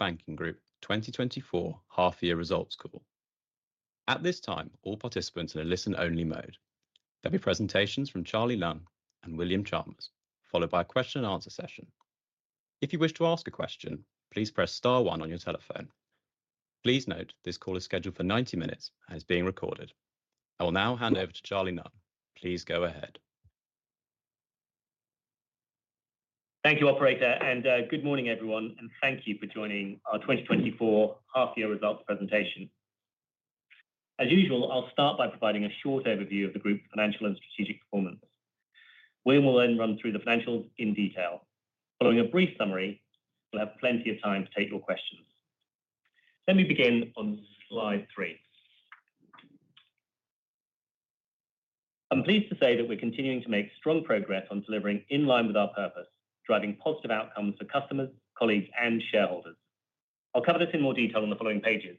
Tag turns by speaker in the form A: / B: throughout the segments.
A: Lloyds Banking Group 2024 Half-Year Results Call. At this time, all participants are in a listen-only mode. There'll be presentations from Charlie Nunn and William Chalmers, followed by a question and answer session. If you wish to ask a question, please press star one on your telephone. Please note, this call is scheduled for 90 minutes and is being recorded. I will now hand over to Charlie Nunn. Please go ahead.
B: Thank you, operator, and good morning, everyone, and thank you for joining our 2024 Half-Year Results presentation. As usual, I'll start by providing a short overview of the group's financial and strategic performance. William will then run through the financials in detail. Following a brief summary, we'll have plenty of time to take your questions. Let me begin on slide three. I'm pleased to say that we're continuing to make strong progress on delivering in line with our purpose, driving positive outcomes for customers, colleagues, and shareholders. I'll cover this in more detail on the following pages,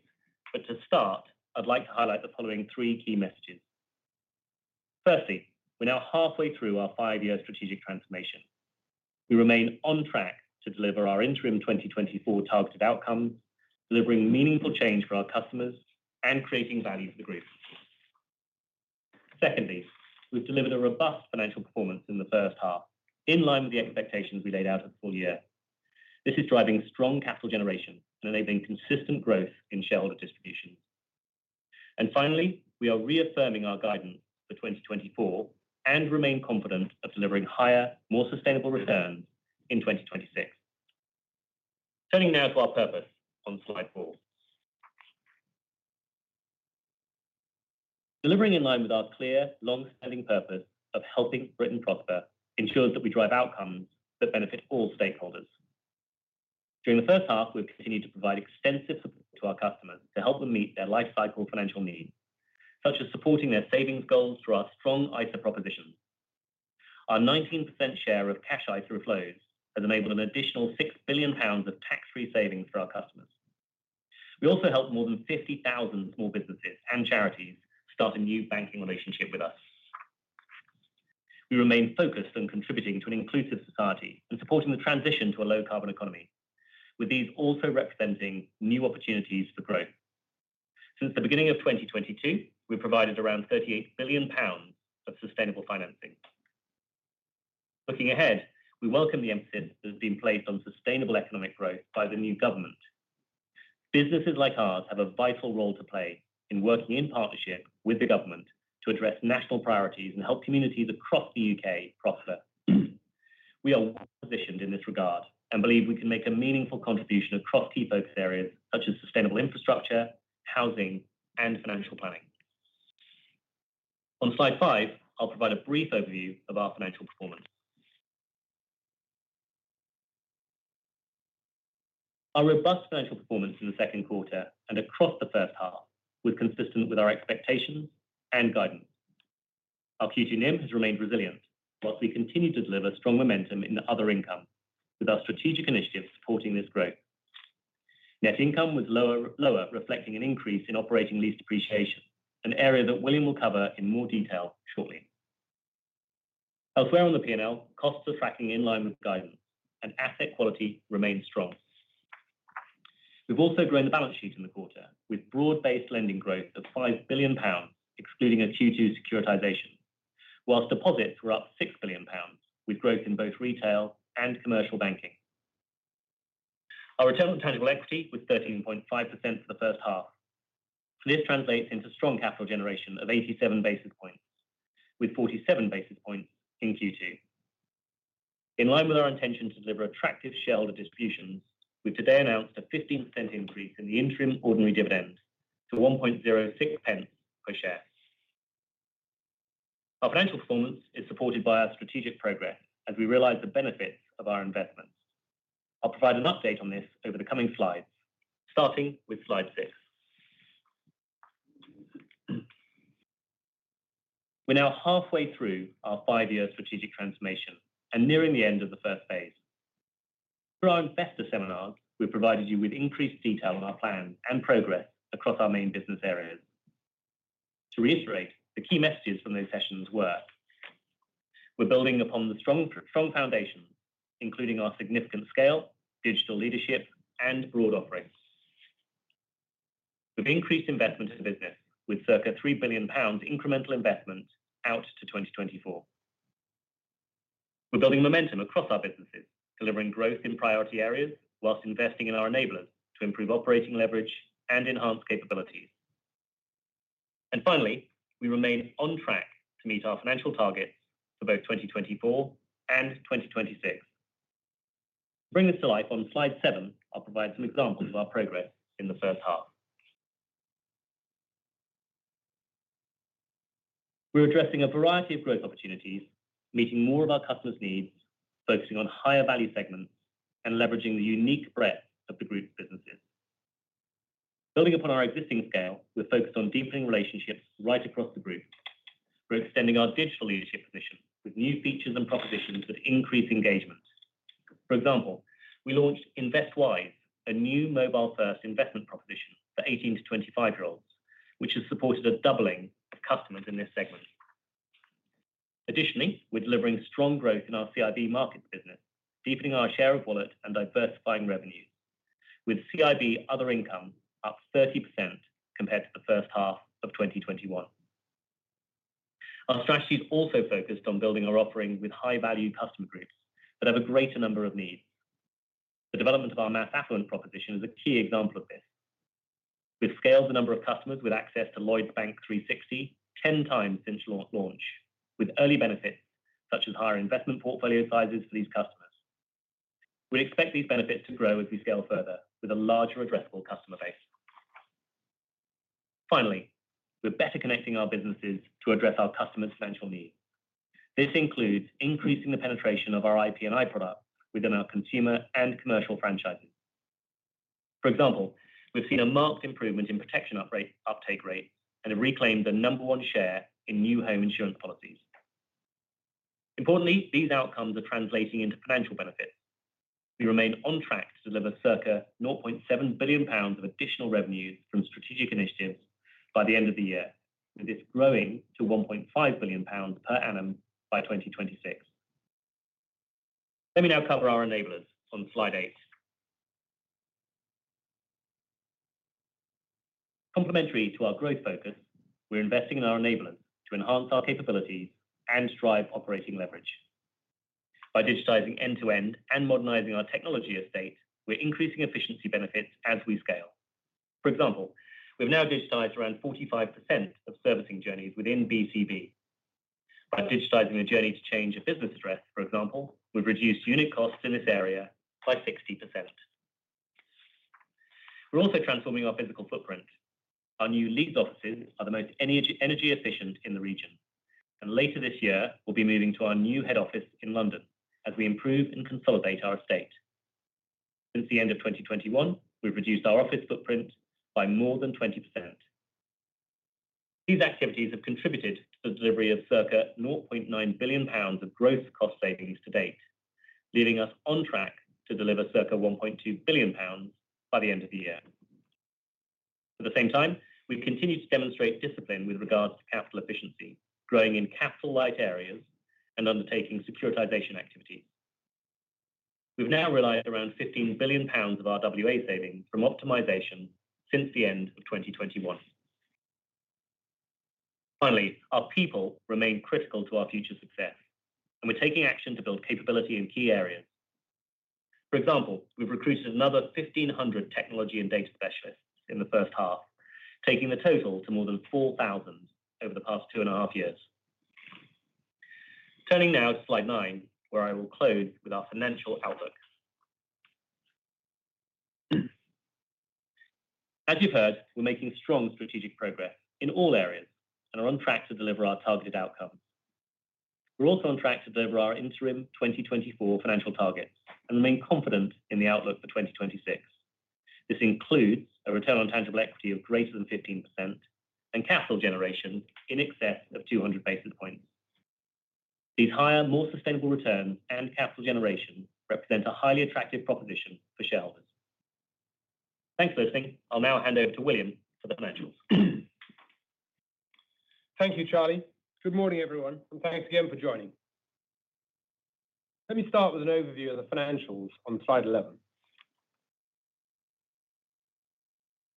B: but to start, I'd like to highlight the following three key messages. Firstly, we're now halfway through our five-year strategic transformation. We remain on track to deliver our interim 2024 targeted outcomes, delivering meaningful change for our customers and creating value for the group. Secondly, we've delivered a robust financial performance in the first half, in line with the expectations we laid out at full year. This is driving strong capital generation and enabling consistent growth in shareholder distributions. And finally, we are reaffirming our guidance for 2024 and remain confident of delivering higher, more sustainable returns in 2026. Turning now to our purpose on slide four. Delivering in line with our clear, long-standing purpose of helping Britain prosper ensures that we drive outcomes that benefit all stakeholders. During the first half, we've continued to provide extensive support to our customers to help them meet their lifecycle financial needs, such as supporting their savings goals through our strong ISA proposition. Our 19% share of cash ISA flows has enabled an additional 6 billion pounds of tax-free savings for our customers. We also helped more than 50,000 small businesses and charities start a new banking relationship with us. We remain focused on contributing to an inclusive society and supporting the transition to a low-carbon economy, with these also representing new opportunities for growth. Since the beginning of 2022, we've provided around 38 billion pounds of sustainable financing. Looking ahead, we welcome the emphasis that has been placed on sustainable economic growth by the new government. Businesses like ours have a vital role to play in working in partnership with the government to address national priorities and help communities across the U.K. prosper. We are well positioned in this regard and believe we can make a meaningful contribution across key focus areas such as sustainable infrastructure, housing, and financial planning. On slide five, I'll provide a brief overview of our financial performance. Our robust financial performance in the second quarter and across the first half was consistent with our expectations and guidance. Our Q2 NIM has remained resilient, whilst we continue to deliver strong momentum in the other income, with our strategic initiatives supporting this growth. Net income was lower, lower, reflecting an increase in operating lease depreciation, an area that William will cover in more detail shortly. Elsewhere on the P&L, costs are tracking in line with guidance and asset quality remains strong. We've also grown the balance sheet in the quarter, with broad-based lending growth of 5 billion pounds, excluding a Q2 securitization, whilst deposits were up 6 billion pounds, with growth in both Retail and Commercial banking. Our return on tangible equity was 13.5% for the first half. This translates into strong capital generation of 87 basis points, with 47 basis points in Q2. In line with our intention to deliver attractive shareholder distributions, we've today announced a 15% increase in the interim ordinary dividend to 0.0106 per share. Our financial performance is supported by our strategic progress as we realize the benefits of our investments. I'll provide an update on this over the coming slides, starting with slide six. We're now halfway through our five-year strategic transformation and nearing the end of the first phase. Through our investor seminars, we've provided you with increased detail on our plan and progress across our main business areas. To reiterate, the key messages from those sessions were: we're building upon the strong, strong foundation, including our significant scale, digital leadership, and broad offerings. We've increased investment in the business with circa 3 billion pounds incremental investment out to 2024. We're building momentum across our businesses, delivering growth in priority areas, while investing in our enablers to improve operating leverage and enhance capabilities. And finally, we remain on track to meet our financial targets for both 2024 and 2026. To bring this to life, on slide seven, I'll provide some examples of our progress in the first half. We're addressing a variety of growth opportunities, meeting more of our customers' needs, focusing on higher value segments, and leveraging the unique breadth of the group's businesses. Building upon our existing scale, we're focused on deepening relationships right across the group. We're extending our digital leadership position with new features and propositions that increase engagement. For example, we launched InvestWise, a new mobile-first investment proposition for 18-25-year-olds, which has supported a doubling of customers in this segment.... Additionally, we're delivering strong growth in our CIB Markets business, deepening our share of wallet and diversifying revenue, with CIB other income up 30% compared to the first half of 2021. Our strategy is also focused on building our offering with high-value customer groups that have a greater number of needs. The development of our mass affluent proposition is a key example of this. We've scaled the number of customers with access to Lloyds Bank 360, 10x since launch, with early benefits, such as higher investment portfolio sizes for these customers. We expect these benefits to grow as we scale further with a larger addressable customer base. Finally, we're better connecting our businesses to address our customers' financial needs. This includes increasing the penetration of our IP&I product within our consumer and commercial franchises. For example, we've seen a marked improvement in protection uprate, uptake rate, and have reclaimed the number one share in new home insurance policies. Importantly, these outcomes are translating into financial benefits. We remain on track to deliver circa 0.7 billion pounds of additional revenues from strategic initiatives by the end of the year, and it's growing to 1.5 billion pounds per annum by 2026. Let me now cover our enablers on slide eight. Complementary to our growth focus, we're investing in our enablers to enhance our capabilities and drive operating leverage. By digitizing end-to-end and modernizing our technology estate, we're increasing efficiency benefits as we scale. For example, we've now digitized around 45% of servicing journeys within BCB. By digitizing the journey to change a business address, for example, we've reduced unit costs in this area by 60%. We're also transforming our physical footprint. Our new Leeds offices are the most energy efficient in the region, and later this year, we'll be moving to our new head office in London as we improve and consolidate our estate. Since the end of 2021, we've reduced our office footprint by more than 20%. These activities have contributed to the delivery of circa 0.9 billion pounds of gross cost savings to date, leaving us on track to deliver circa 1.2 billion pounds by the end of the year. At the same time, we've continued to demonstrate discipline with regards to capital efficiency, growing in capital-light areas and undertaking securitization activity. We've now realized around 15 billion pounds of RWA savings from optimization since the end of 2021. Finally, our people remain critical to our future success, and we're taking action to build capability in key areas. For example, we've recruited another 1,500 technology and data specialists in the first half, taking the total to more than 4,000 over the past two and a half years. Turning now to slide nine, where I will close with our financial outlook. As you've heard, we're making strong strategic progress in all areas and are on track to deliver our targeted outcomes. We're also on track to deliver our interim 2024 financial targets and remain confident in the outlook for 2026. This includes a return on tangible equity of greater than 15% and capital generation in excess of 200 basis points. These higher, more sustainable returns and capital generation represent a highly attractive proposition for shareholders. Thanks for listening. I'll now hand over to William for the financials.
C: Thank you, Charlie. Good morning, everyone, and thanks again for joining. Let me start with an overview of the financials on slide 11.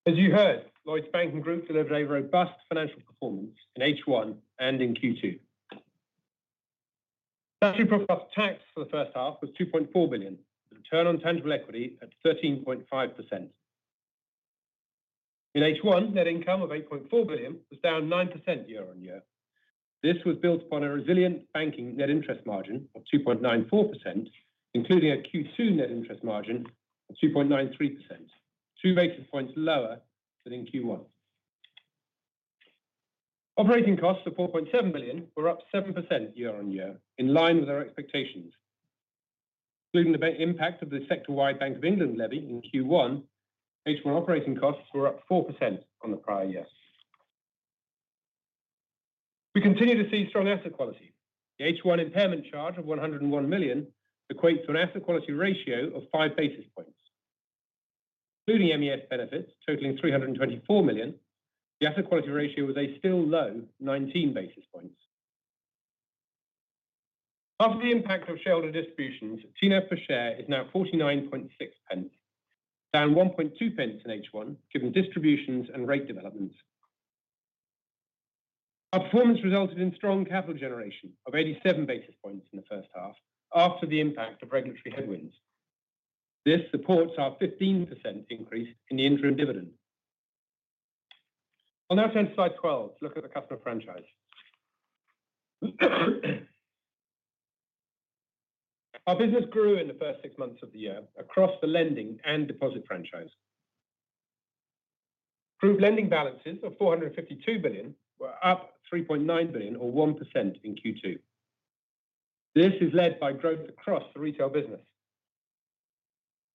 C: As you heard, Lloyds Banking Group delivered a robust financial performance in H1 and in Q2. Tax for the first half was 2.4 billion, with a return on tangible equity at 13.5%. In H1, net income of 8.4 billion was down 9% year-on-year. This was built upon a resilient banking net interest margin of 2.94%, including a Q2 net interest margin of 2.93%, two basis points lower than in Q1. Operating costs of 4.7 billion were up 7% year-on-year, in line with our expectations. Including the impact of the sector-wide Bank of England Levy in Q1, H1 operating costs were up 4% on the prior year. We continue to see strong asset quality. The H1 impairment charge of 101 million equates to an asset quality ratio of 5 basis points. Including MES benefits totaling 324 million, the asset quality ratio was a still low 19 basis points. After the impact of shareholder distributions, TNAV per share is now 0.496, down 0.012 in H1, given distributions and rate developments. Our performance resulted in strong capital generation of 87 basis points in the first half, after the impact of regulatory headwinds. This supports our 15% increase in the interim dividend. I'll now turn to slide 12 to look at the customer franchise. Our business grew in the first six months of the year across the lending and deposit franchise. Group lending balances of 452 billion were up 3.9 billion, or 1% in Q2. This is led by growth across the retail business.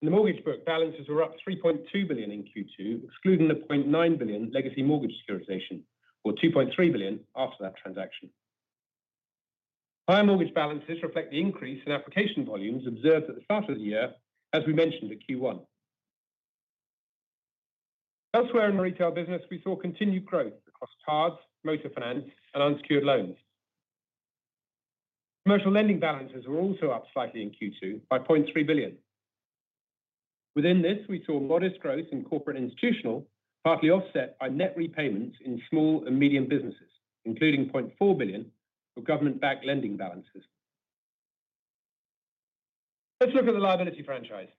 C: In the mortgage book, balances were up 3.2 billion in Q2, excluding the 0.9 billion legacy mortgage securitization, or 2.3 billion after that transaction. Higher mortgage balances reflect the increase in application volumes observed at the start of the year, as we mentioned at Q1....Elsewhere in the retail business, we saw continued growth across cards, motor finance, and unsecured loans. Commercial lending balances were also up slightly in Q2 by 0.3 billion. Within this, we saw modest growth in Corporate & Institutional, partly offset by net repayments in small and medium businesses, including 0.4 billion for government-backed lending balances. Let's look at the liability franchise.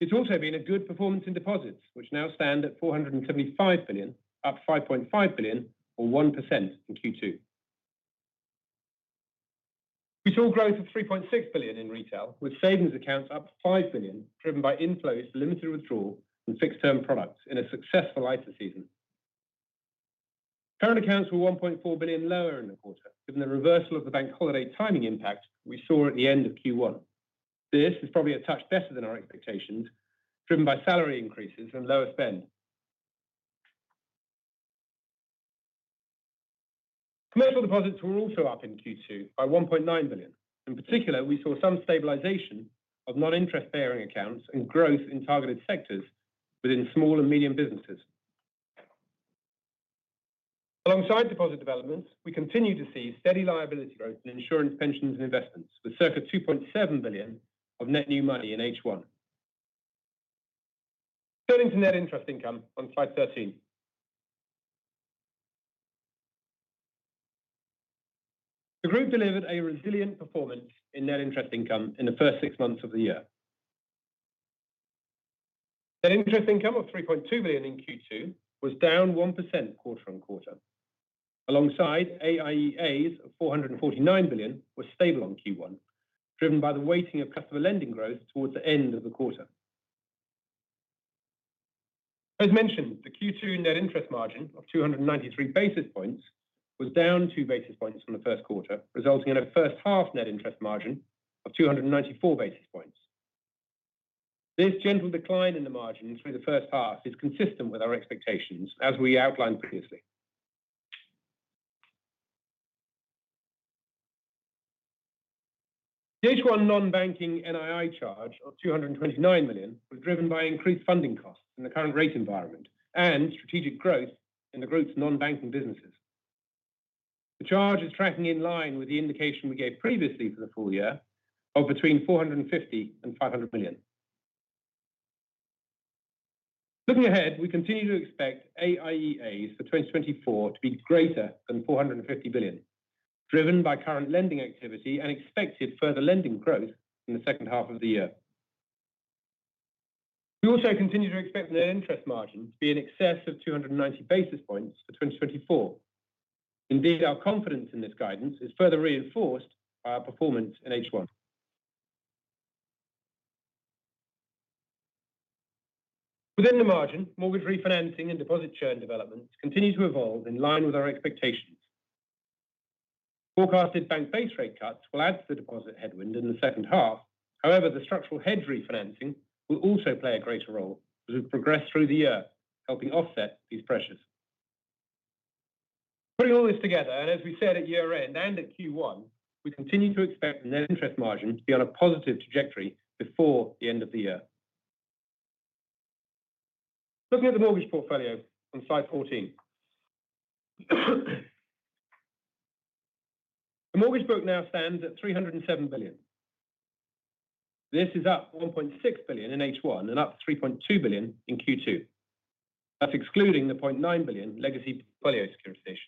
C: It's also been a good performance in deposits, which now stand at 475 billion, up 5.5 billion, or 1% in Q2. We saw growth of 3.6 billion in retail, with savings accounts up 5 billion, driven by inflows, limited withdrawal, and fixed-term products in a successful ISA season. Current accounts were 1.4 billion lower in the quarter, given the reversal of the bank holiday timing impact we saw at the end of Q1. This is probably a touch better than our expectations, driven by salary increases and lower spend. Commercial deposits were also up in Q2 by 1.9 billion. In particular, we saw some stabilization of non-interest-bearing accounts and growth in targeted sectors within small and medium businesses. Alongside deposit developments, we continue to see steady liability growth in insurance, pensions, and investments, with circa 2.7 billion of net new money in H1. Turning to net interest income on slide 13. The group delivered a resilient performance in net interest income in the first six months of the year. Net interest income of 3.2 billion in Q2 was down 1% quarter-on-quarter, alongside AIEA of 449 billion was stable on Q1, driven by the weighting of customer lending growth towards the end of the quarter. As mentioned, the Q2 net interest margin of 293 basis points was down 2 basis points from the first quarter, resulting in a first half net interest margin of 294 basis points. This gentle decline in the margin through the first half is consistent with our expectations, as we outlined previously. The H1 non-banking NII charge of 229 million was driven by increased funding costs in the current rate environment and strategic growth in the group's non-banking businesses. The charge is tracking in line with the indication we gave previously for the full year of between 450 million and 500 million. Looking ahead, we continue to expect AIEAs for 2024 to be greater than 450 billion, driven by current lending activity and expected further lending growth in the second half of the year. We also continue to expect net interest margin to be in excess of 290 basis points for 2024. Indeed, our confidence in this guidance is further reinforced by our performance in H1. Within the margin, mortgage refinancing and deposit churn development continue to evolve in line with our expectations. Forecasted Bank Base Rate cuts will add to the deposit headwind in the second half. However, the structural hedge refinancing will also play a greater role as we progress through the year, helping offset these pressures. Putting all this together, and as we said at year-end and at Q1, we continue to expect net interest margin to be on a positive trajectory before the end of the year. Looking at the mortgage portfolio on slide 14. The mortgage book now stands at 307 billion. This is up 1.6 billion in H1 and up 3.2 billion in Q2. That's excluding the 0.9 billion legacy portfolio securitization.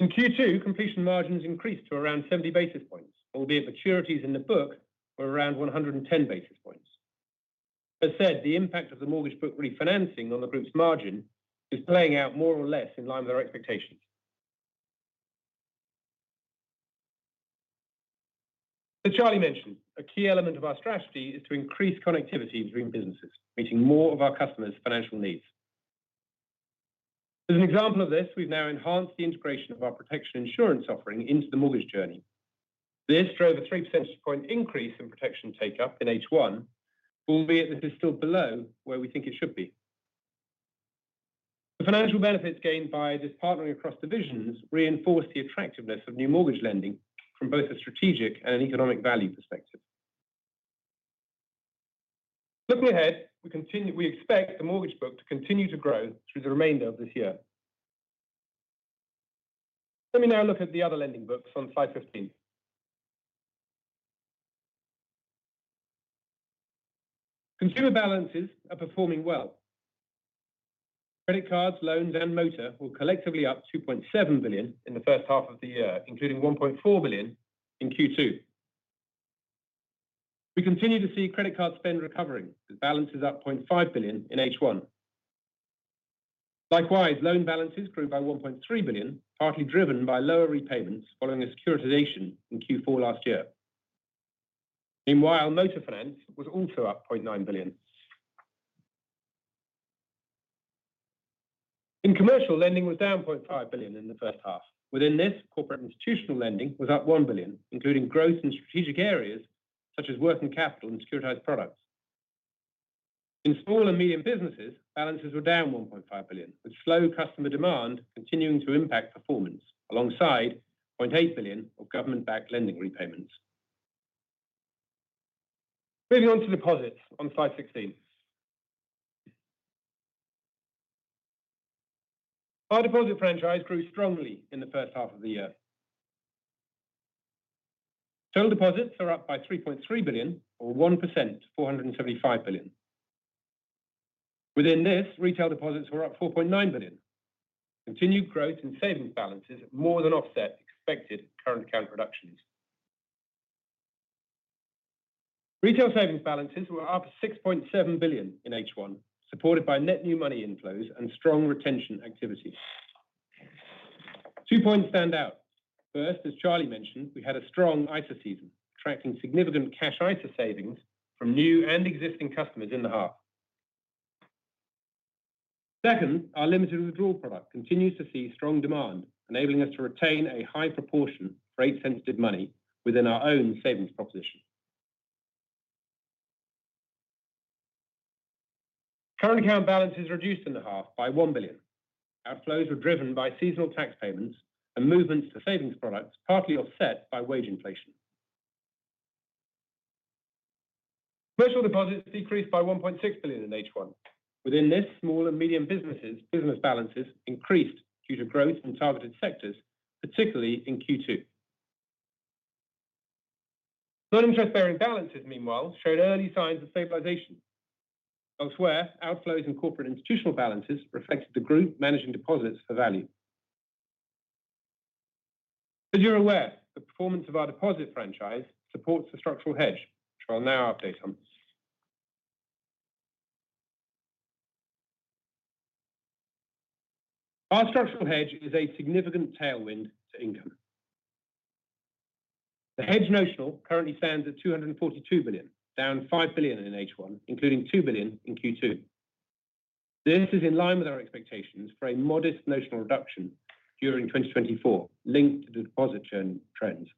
C: In Q2, completion margins increased to around 70 basis points, albeit maturities in the book were around 110 basis points. As said, the impact of the mortgage book refinancing on the group's margin is playing out more or less in line with our expectations. As Charlie mentioned, a key element of our strategy is to increase connectivity between businesses, meeting more of our customers' financial needs. As an example of this, we've now enhanced the integration of our protection insurance offering into the mortgage journey. This drove a three percentage point increase in protection take-up in H1, albeit this is still below where we think it should be. The financial benefits gained by this partnering across divisions reinforce the attractiveness of new mortgage lending from both a strategic and an economic value perspective. Looking ahead, we expect the mortgage book to continue to grow through the remainder of this year. Let me now look at the other lending books on slide 15. Consumer balances are performing well. Credit cards, loans, and motor were collectively up 2.7 billion in the first half of the year, including 1.4 billion in Q2. We continue to see credit card spend recovering, with balances up 0.5 billion in H1. Likewise, loan balances grew by 1.3 billion, partly driven by lower repayments following a securitization in Q4 last year. Meanwhile, motor finance was also up 0.9 billion. In commercial, lending was down 0.5 billion in the first half. Within this, corporate institutional lending was up 1 billion, including growth in strategic areas such as working capital and securitized products. In small and medium businesses, balances were down 1.5 billion, with slow customer demand continuing to impact performance alongside 0.8 billion of government-backed lending repayments. Moving on to deposits on slide 16. Our deposit franchise grew strongly in the first half of the year. Total deposits are up by 3.3 billion, or 1% to 475 billion. Within this, retail deposits were up 4.9 billion. Continued growth in savings balances more than offset expected current account reductions. Retail savings balances were up 6.7 billion in H1, supported by net new money inflows and strong retention activities. Two points stand out. First, as Charlie mentioned, we had a strong ISA season, attracting significant cash ISA savings from new and existing customers in the half. Second, our limited withdrawal product continues to see strong demand, enabling us to retain a high proportion for rate-sensitive money within our own savings proposition. Current account balances reduced in the half by 1 billion. Outflows were driven by seasonal tax payments and movements to savings products, partly offset by wage inflation. Commercial deposits decreased by 1.6 billion in H1. Within this, small and medium businesses, business balances increased due to growth in targeted sectors, particularly in Q2. Non-interest-bearing balances, meanwhile, showed early signs of stabilization. Elsewhere, outflows in corporate institutional balances reflected the group managing deposits for value. As you're aware, the performance of our deposit franchise supports the structural hedge, which I'll now update on. Our structural hedge is a significant tailwind to income. The hedge notional currently stands at 242 billion, down 5 billion in H1, including 2 billion in Q2. This is in line with our expectations for a modest notional reduction during 2024, linked to deposit churn trends.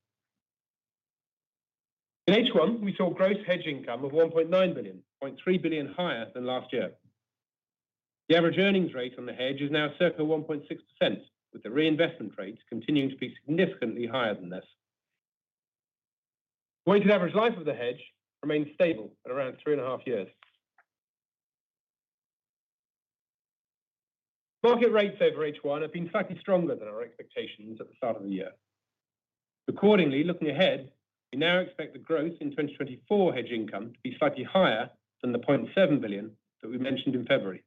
C: In H1, we saw gross hedge income of 1.9 billion, 0.3 billion higher than last year. The average earnings rate on the hedge is now circa 1.6%, with the reinvestment rates continuing to be significantly higher than this. Weighted average life of the hedge remains stable at around 3.5 years. Market rates over H1 have been slightly stronger than our expectations at the start of the year. Accordingly, looking ahead, we now expect the growth in 2024 hedge income to be slightly higher than the 0.7 billion that we mentioned in February.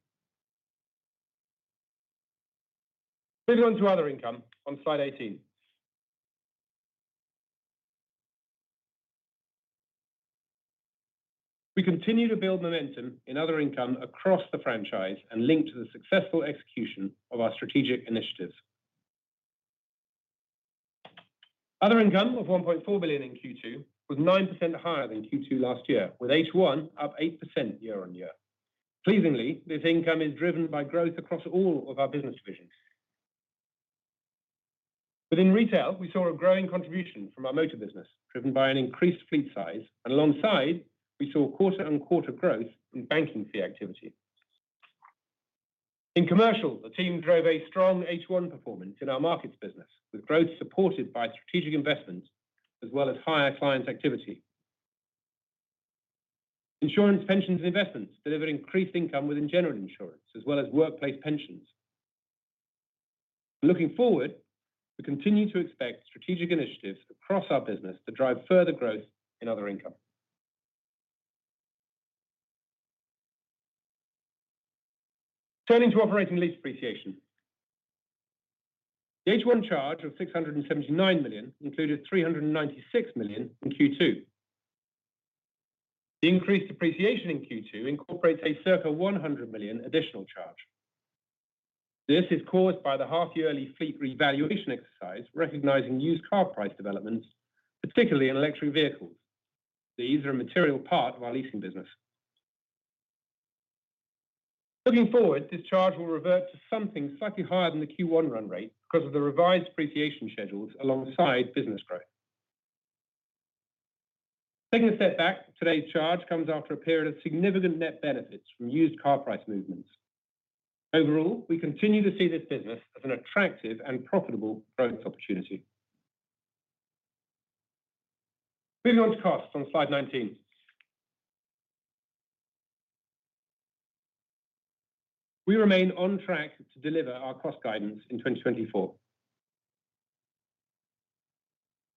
C: Moving on to other income on slide 18. We continue to build momentum in other income across the franchise and linked to the successful execution of our strategic initiatives. Other income of 1.4 billion in Q2 was 9% higher than Q2 last year, with H1 up 8% year-on-year. Pleasingly, this income is driven by growth across all of our business divisions. Within retail, we saw a growing contribution from our motor business, driven by an increased fleet size, and alongside, we saw quarter-on-quarter growth in banking fee activity. In commercial, the team drove a strong H1 performance in our markets business, with growth supported by strategic investments as well as higher client activity. Insurance, Pensions, and Investments delivered increased income within general insurance, as well as workplace pensions. Looking forward, we continue to expect strategic initiatives across our business to drive further growth in other income. Turning to Operating Lease Depreciation. The H1 charge of 679 million included 396 million in Q2. The increased depreciation in Q2 incorporates a circa 100 million additional charge. This is caused by the half-yearly fleet revaluation exercise, recognizing used car price developments, particularly in electric vehicles. These are a material part of our leasing business. Looking forward, this charge will revert to something slightly higher than the Q1 run rate because of the revised depreciation schedules alongside business growth. Taking a step back, today's charge comes after a period of significant net benefits from used car price movements. Overall, we continue to see this business as an attractive and profitable growth opportunity. Moving on to costs on slide 19. We remain on track to deliver our cost guidance in 2024.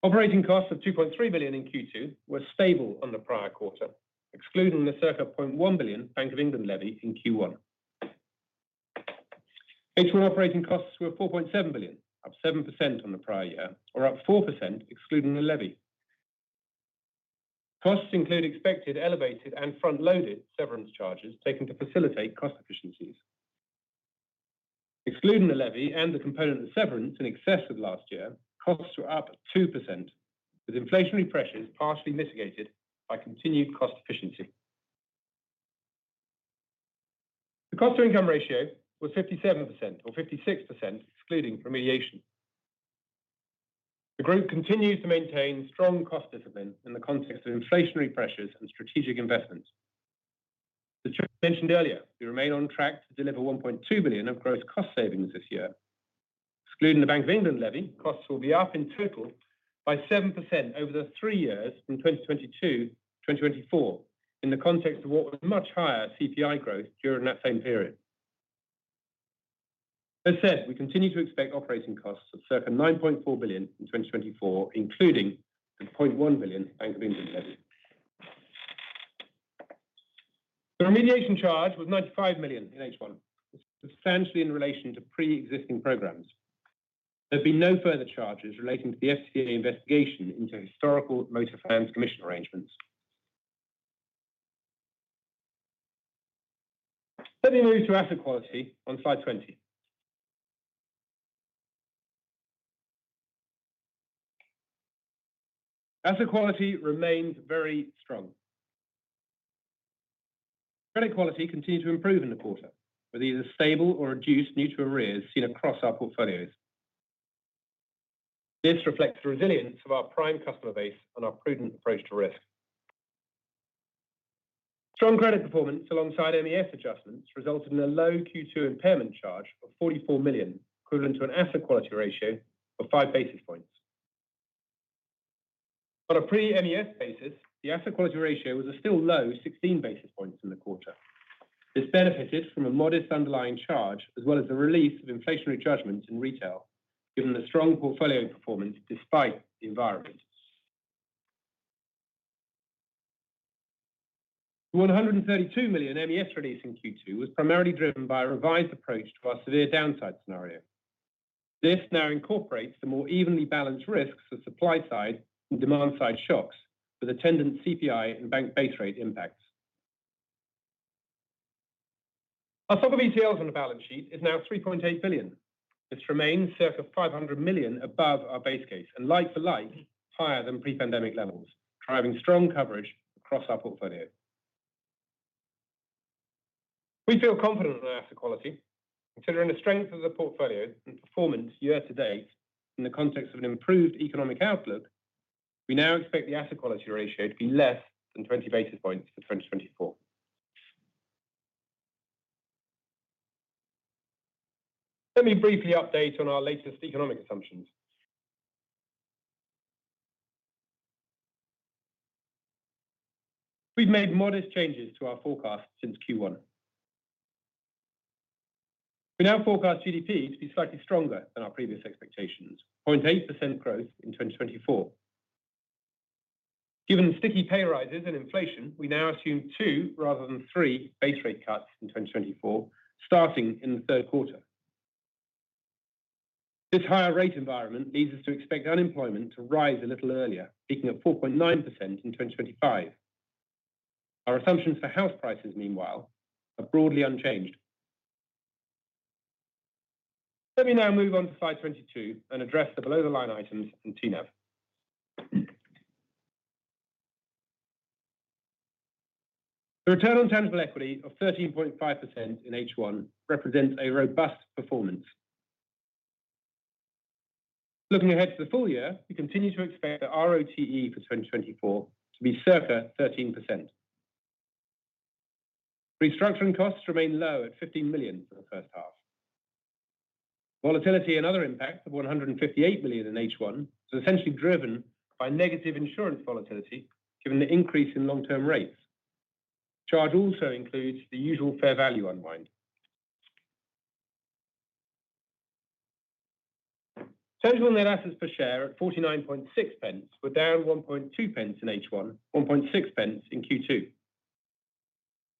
C: Operating costs of 2.3 billion in Q2 were stable on the prior quarter, excluding the circa 0.1 billion Bank of England levy in Q1. H1 operating costs were 4.7 billion, up 7% on the prior year, or up 4% excluding the levy. Costs include expected, elevated, and front-loaded severance charges taken to facilitate cost efficiencies. Excluding the levy and the component of severance in excess of last year, costs were up 2%, with inflationary pressures partially mitigated by continued cost efficiency. The cost-to-income ratio was 57%, or 56%, excluding remediation. The group continues to maintain strong cost discipline in the context of inflationary pressures and strategic investments.... As I mentioned earlier, we remain on track to deliver 1.2 billion of gross cost savings this year. Excluding the Bank of England Levy, costs will be up in total by 7% over the three years from 2022-2024, in the context of what was much higher CPI growth during that same period. As said, we continue to expect operating costs of circa 9.4 billion in 2024, including the 0.1 billion Bank of England Levy. The remediation charge was 95 million in H1, substantially in relation to pre-existing programs. There have been no further charges relating to the FCA investigation into historical motor finance commission arrangements. Let me move to asset quality on slide 20. Asset quality remains very strong. Credit quality continued to improve in the quarter, with either stable or reduced new to arrears seen across our portfolios. This reflects the resilience of our prime customer base and our prudent approach to risk. Strong credit performance alongside MES adjustments resulted in a low Q2 impairment charge of 44 million, equivalent to an asset quality ratio of five basis points. On a pre-MES basis, the asset quality ratio was a still low 16 basis points in the quarter. This benefited from a modest underlying charge, as well as a release of inflationary judgments in retail, given the strong portfolio performance despite the environment. The 132 million MES release in Q2 was primarily driven by a revised approach to our severe downside scenario. This now incorporates the more evenly balanced risks of supply-side and demand-side shocks, with attendant CPI and Bank Base Rate impacts. Our stock of ETLs on the balance sheet is now 3.8 billion. This remains circa 500 million above our base case, and like for like, higher than pre-pandemic levels, driving strong coverage across our portfolio. We feel confident in our asset quality, considering the strength of the portfolio and performance year to date in the context of an improved economic outlook, we now expect the asset quality ratio to be less than 20 basis points for 2024. Let me briefly update on our latest economic assumptions. We've made modest changes to our forecast since Q1. We now forecast GDP to be slightly stronger than our previous expectations, 0.8% growth in 2024. Given sticky pay raises and inflation, we now assume two rather than three base rate cuts in 2024, starting in the third quarter. This higher rate environment leads us to expect unemployment to rise a little earlier, peaking at 4.9% in 2025. Our assumptions for house prices, meanwhile, are broadly unchanged. Let me now move on to slide 22 and address the below-the-line items in TNAV. The return on tangible equity of 13.5% in H1 represents a robust performance. Looking ahead to the full year, we continue to expect the ROTE for 2024 to be circa 13%. Restructuring costs remain low at 15 million for the first half. Volatility and other impacts of 158 million in H1 is essentially driven by negative insurance volatility, given the increase in long-term rates. Charge also includes the usual fair value unwind. Total net assets per share at 0.496, were down 0.012 in H1, 0.016 in Q2.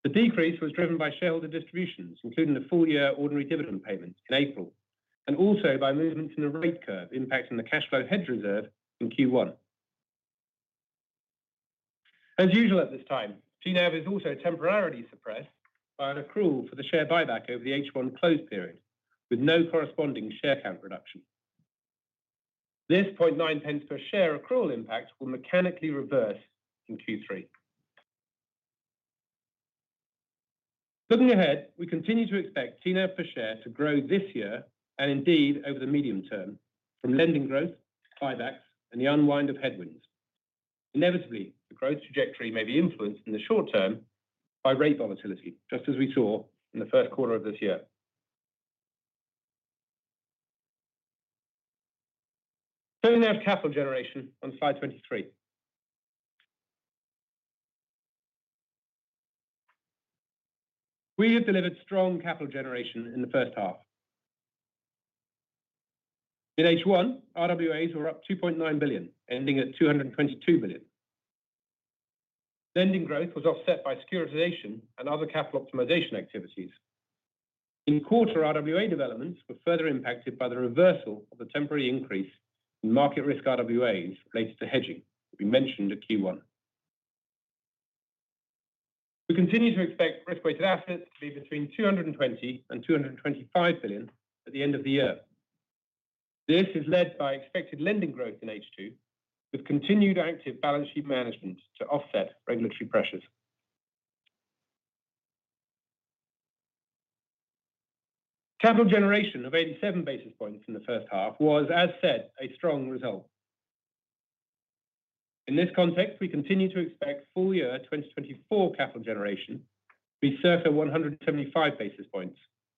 C: The decrease was driven by shareholder distributions, including the full year ordinary dividend payments in April, and also by movements in the rate curve impacting the cash flow hedge reserve in Q1. As usual at this time, TNAV is also temporarily suppressed by an accrual for the share buyback over the H1 close period, with no corresponding share count reduction. This 0.009 per share accrual impact will mechanically reverse in Q3. Looking ahead, we continue to expect TNAV per share to grow this year, and indeed over the medium term, from lending growth, buybacks, and the unwind of headwinds. Inevitably, the growth trajectory may be influenced in the short term by rate volatility, just as we saw in the first quarter of this year. Turning to our capital generation on slide 23. We have delivered strong capital generation in the first half. In H1, RWAs were up 2.9 billion, ending at 222 billion. Lending growth was offset by securitization and other capital optimization activities. In quarter RWA developments were further impacted by the reversal of the temporary increase in market risk RWAs related to hedging, we mentioned in Q1. We continue to expect risk-weighted assets to be between 220 billion and 225 billion at the end of the year. This is led by expected lending growth in H2, with continued active balance sheet management to offset regulatory pressures. Capital generation of 87 basis points in the first half was, as said, a strong result. In this context, we continue to expect full year 2024 capital generation be circa 175 basis points.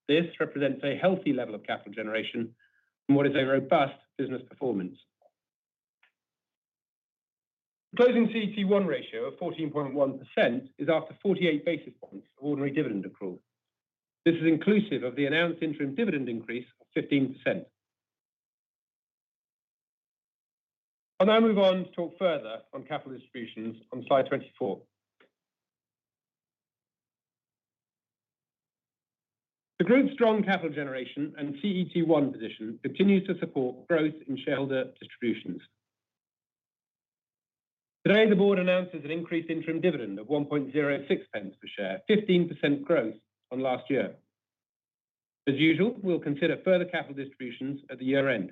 C: This represents a healthy level of capital generation and what is a robust business performance. Closing CET1 ratio of 14.1% is after 48 basis points ordinary dividend accrual. This is inclusive of the announced interim dividend increase of 15%. I'll now move on to talk further on capital distributions on slide 24. The group's strong capital generation and CET1 position continues to support growth in shareholder distributions. Today, the board announces an increased interim dividend of 1.06 pence per share, 15% growth from last year. As usual, we'll consider further capital distributions at the year end.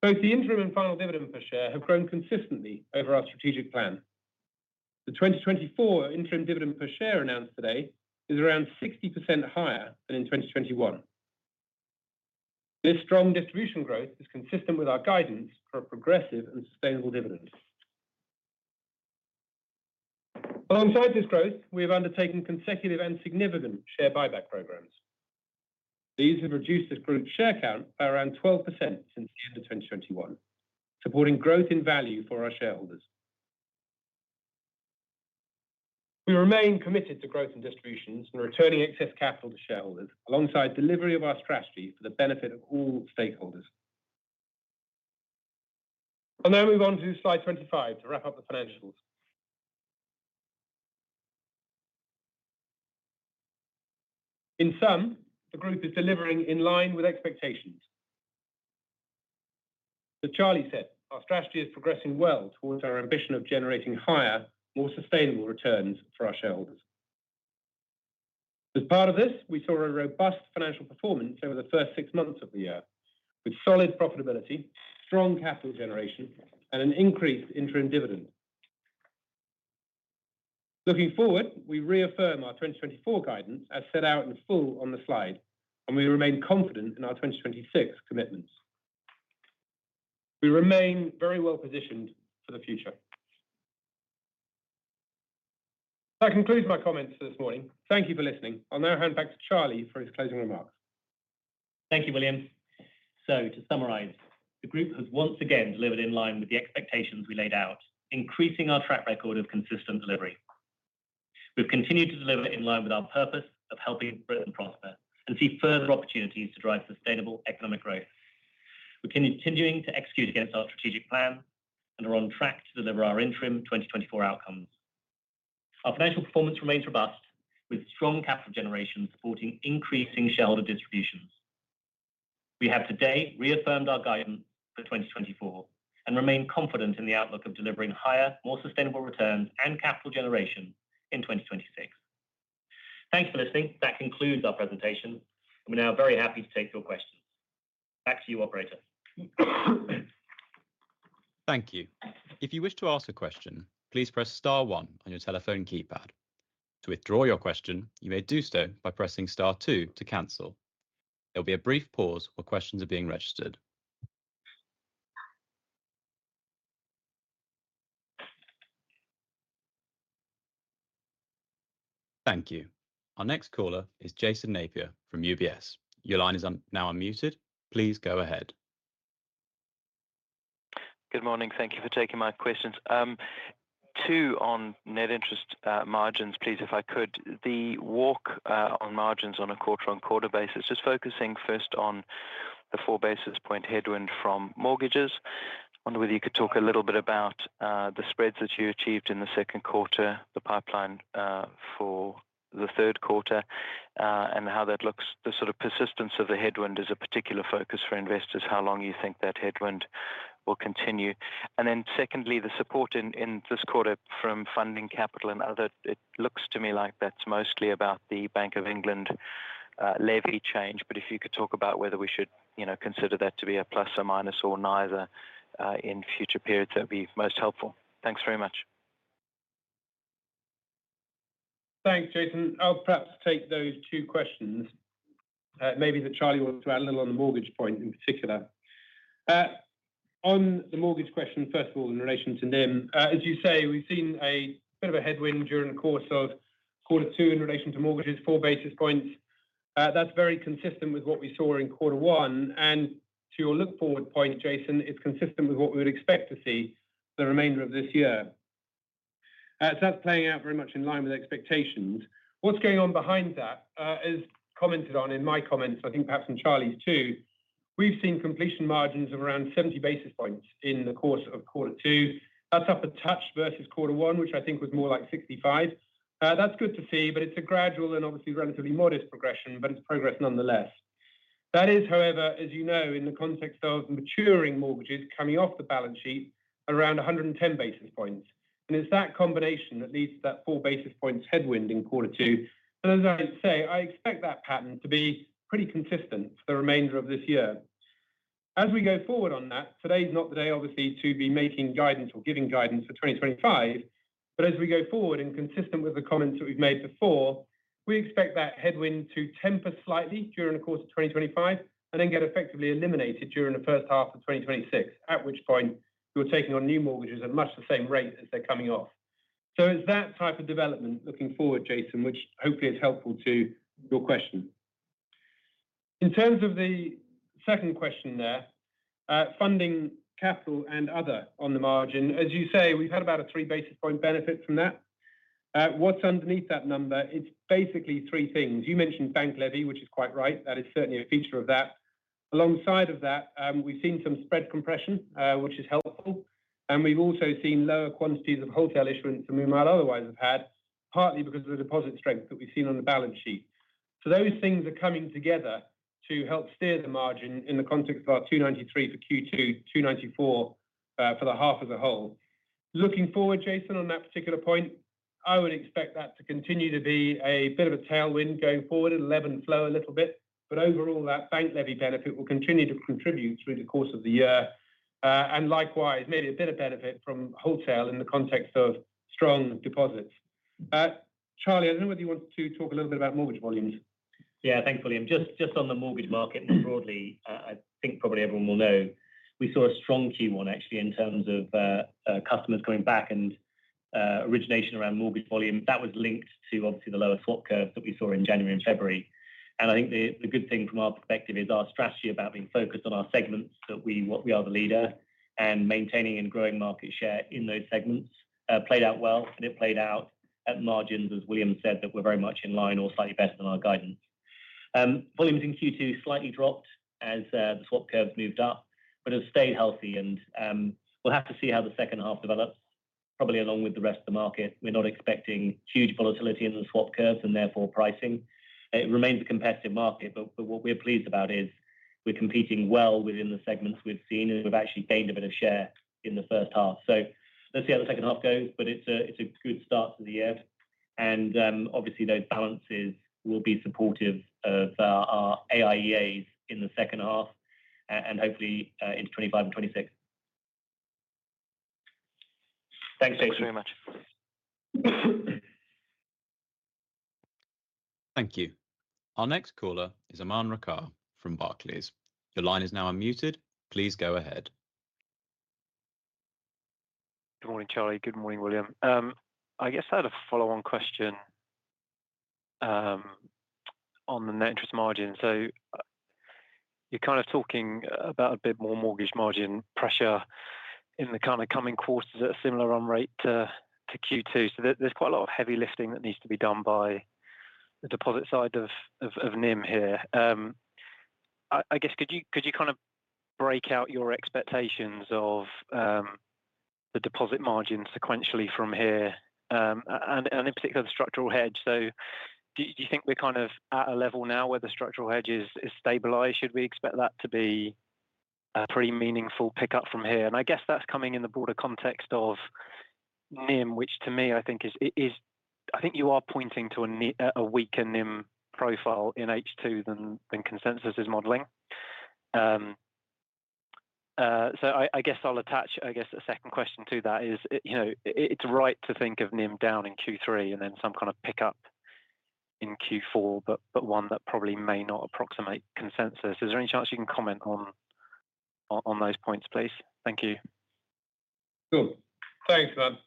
C: Both the interim and final dividend per share have grown consistently over our strategic plan. The 2024 interim dividend per share announced today is around 60% higher than in 2021. This strong distribution growth is consistent with our guidance for a progressive and sustainable dividend. Alongside this growth, we have undertaken consecutive and significant share buyback programs. These have reduced the group's share count by around 12% since the end of 2021, supporting growth and value for our shareholders. We remain committed to growth and distributions and returning excess capital to shareholders, alongside delivery of our strategy for the benefit of all stakeholders. I'll now move on to slide 25 to wrap up the financials. In sum, the group is delivering in line with expectations. As Charlie said, our strategy is progressing well towards our ambition of generating higher, more sustainable returns for our shareholders. As part of this, we saw a robust financial performance over the first six months of the year, with solid profitability, strong capital generation, and an increased interim dividend. Looking forward, we reaffirm our 2024 guidance as set out in full on the slide, and we remain confident in our 2026 commitments. We remain very well positioned for the future. That concludes my comments this morning. Thank you for listening. I'll now hand back to Charlie for his closing remarks.
B: Thank you, William. So to summarize, the group has once again delivered in line with the expectations we laid out, increasing our track record of consistent delivery. We've continued to deliver in line with our purpose of helping Britain prosper and see further opportunities to drive sustainable economic growth. We're continuing to execute against our strategic plan and are on track to deliver our interim 2024 outcomes. Our financial performance remains robust, with strong capital generation supporting increasing shareholder distributions. We have today reaffirmed our guidance for 2024 and remain confident in the outlook of delivering higher, more sustainable returns and capital generation in 2026. Thanks for listening. That concludes our presentation. We're now very happy to take your questions. Back to you, operator.
A: Thank you. If you wish to ask a question, please press star one on your telephone keypad. To withdraw your question, you may do so by pressing star two to cancel. There'll be a brief pause while questions are being registered. Thank you. Our next caller is Jason Napier from UBS. Your line is now unmuted. Please go ahead.
D: Good morning. Thank you for taking my questions. Two on net interest margins, please, if I could. The walk on margins on a quarter-on-quarter basis, just focusing first on the four basis point headwind from mortgages. I wonder whether you could talk a little bit about the spreads that you achieved in the second quarter, the pipeline for the third quarter, and how that looks. The sort of persistence of the headwind is a particular focus for investors, how long you think that headwind will continue. And then secondly, the support in this quarter from funding, capital and other. It looks to me like that's mostly about the Bank of England levy change, but if you could talk about whether we should, you know, consider that to be a plus or minus or neither in future periods, that'd be most helpful. Thanks very much.
C: Thanks, Jason. I'll perhaps take those two questions. Maybe that Charlie wants to add a little on the mortgage point in particular. On the mortgage question, first of all, in relation to NIM, as you say, we've seen a bit of a headwind during the course of quarter two in relation to mortgages, four basis points. That's very consistent with what we saw in quarter one, and to your look-forward point, Jason, it's consistent with what we would expect to see the remainder of this year. So that's playing out very much in line with expectations. What's going on behind that, as commented on in my comments, I think perhaps in Charlie's, too, we've seen completion margins of around 70 basis points in the course of quarter two. That's up a touch versus quarter one, which I think was more like 65. That's good to see, but it's a gradual and obviously relatively modest progression, but it's progress nonetheless. That is, however, as you know, in the context of maturing mortgages coming off the balance sheet, around 110 basis points. And it's that combination that leads to that four basis points headwind in quarter two. And as I say, I expect that pattern to be pretty consistent for the remainder of this year. As we go forward on that, today is not the day, obviously, to be making guidance or giving guidance for 2025. But as we go forward, and consistent with the comments that we've made before, we expect that headwind to temper slightly during the course of 2025, and then get effectively eliminated during the first half of 2026, at which point we're taking on new mortgages at much the same rate as they're coming off. So it's that type of development looking forward, Jason, which hopefully is helpful to your question. In terms of the second question there, funding capital and other on the margin, as you say, we've had about a three basis point benefit from that. What's underneath that number? It's basically three things. You mentioned bank levy, which is quite right. That is certainly a feature of that. Alongside of that, we've seen some spread compression, which is helpful, and we've also seen lower quantities of wholesale issuance than we might otherwise have had, partly because of the deposit strength that we've seen on the balance sheet. So those things are coming together to help steer the margin in the context of our 2.93 for Q2, 2.94 for the half as a whole. Looking forward, Jason, on that particular point, I would expect that to continue to be a bit of a tailwind going forward. It'll ebb and flow a little bit, but overall, that bank levy benefit will continue to contribute through the course of the year. And likewise, maybe a bit of benefit from wholesale in the context of strong deposits. Charlie, I don't know whether you want to talk a little bit about mortgage volumes.
B: Yeah, thanks, William. Just on the mortgage market more broadly, I think probably everyone will know we saw a strong Q1, actually, in terms of customers coming back and origination around mortgage volume. That was linked to obviously the lower swap curve that we saw in January and February. And I think the good thing from our perspective is our strategy about being focused on our segments, that we want we are the leader, and maintaining and growing market share in those segments, played out well, and it played out at margins, as William said, that we're very much in line or slightly better than our guidance. Volumes in Q2 slightly dropped as the swap curve moved up, but have stayed healthy and we'll have to see how the second half develops. Probably along with the rest of the market, we're not expecting huge volatility in the swap curve and therefore, pricing. It remains a competitive market, but what we're pleased about is we're competing well within the segments we've seen, and we've actually gained a bit of share in the first half. So let's see how the second half goes, but it's a good start to the year. And obviously, those balances will be supportive of our AIEAs in the second half, and hopefully into 2025 and 2026. Thanks, Jason.
D: Thanks very much.
A: Thank you. Our next caller is Aman Rakkar from Barclays. Your line is now unmuted. Please go ahead.
E: Good morning, Charlie. Good morning, William. I guess I had a follow-on question on the net interest margin. So, you're kind of talking about a bit more mortgage margin pressure in the coming quarters at a similar run rate to Q2. So there's quite a lot of heavy lifting that needs to be done by the deposit side of NIM here. I guess, could you kind of break out your expectations of the deposit margin sequentially from here, and in particular, the structural hedge? So do you think we're kind of at a level now where the structural hedge is stabilized? Should we expect that to be a pretty meaningful pickup from here? And I guess that's coming in the broader context of NIM, which to me, I think is, it is... I think you are pointing to a weaker NIM profile in H2 than consensus is modeling. So I guess I'll attach a second question to that. You know, it's right to think of NIM down in Q3 and then some kind of pickup in Q4, but one that probably may not approximate consensus. Is there any chance you can comment on those points, please? Thank you.
C: Sure. Thanks, Aman.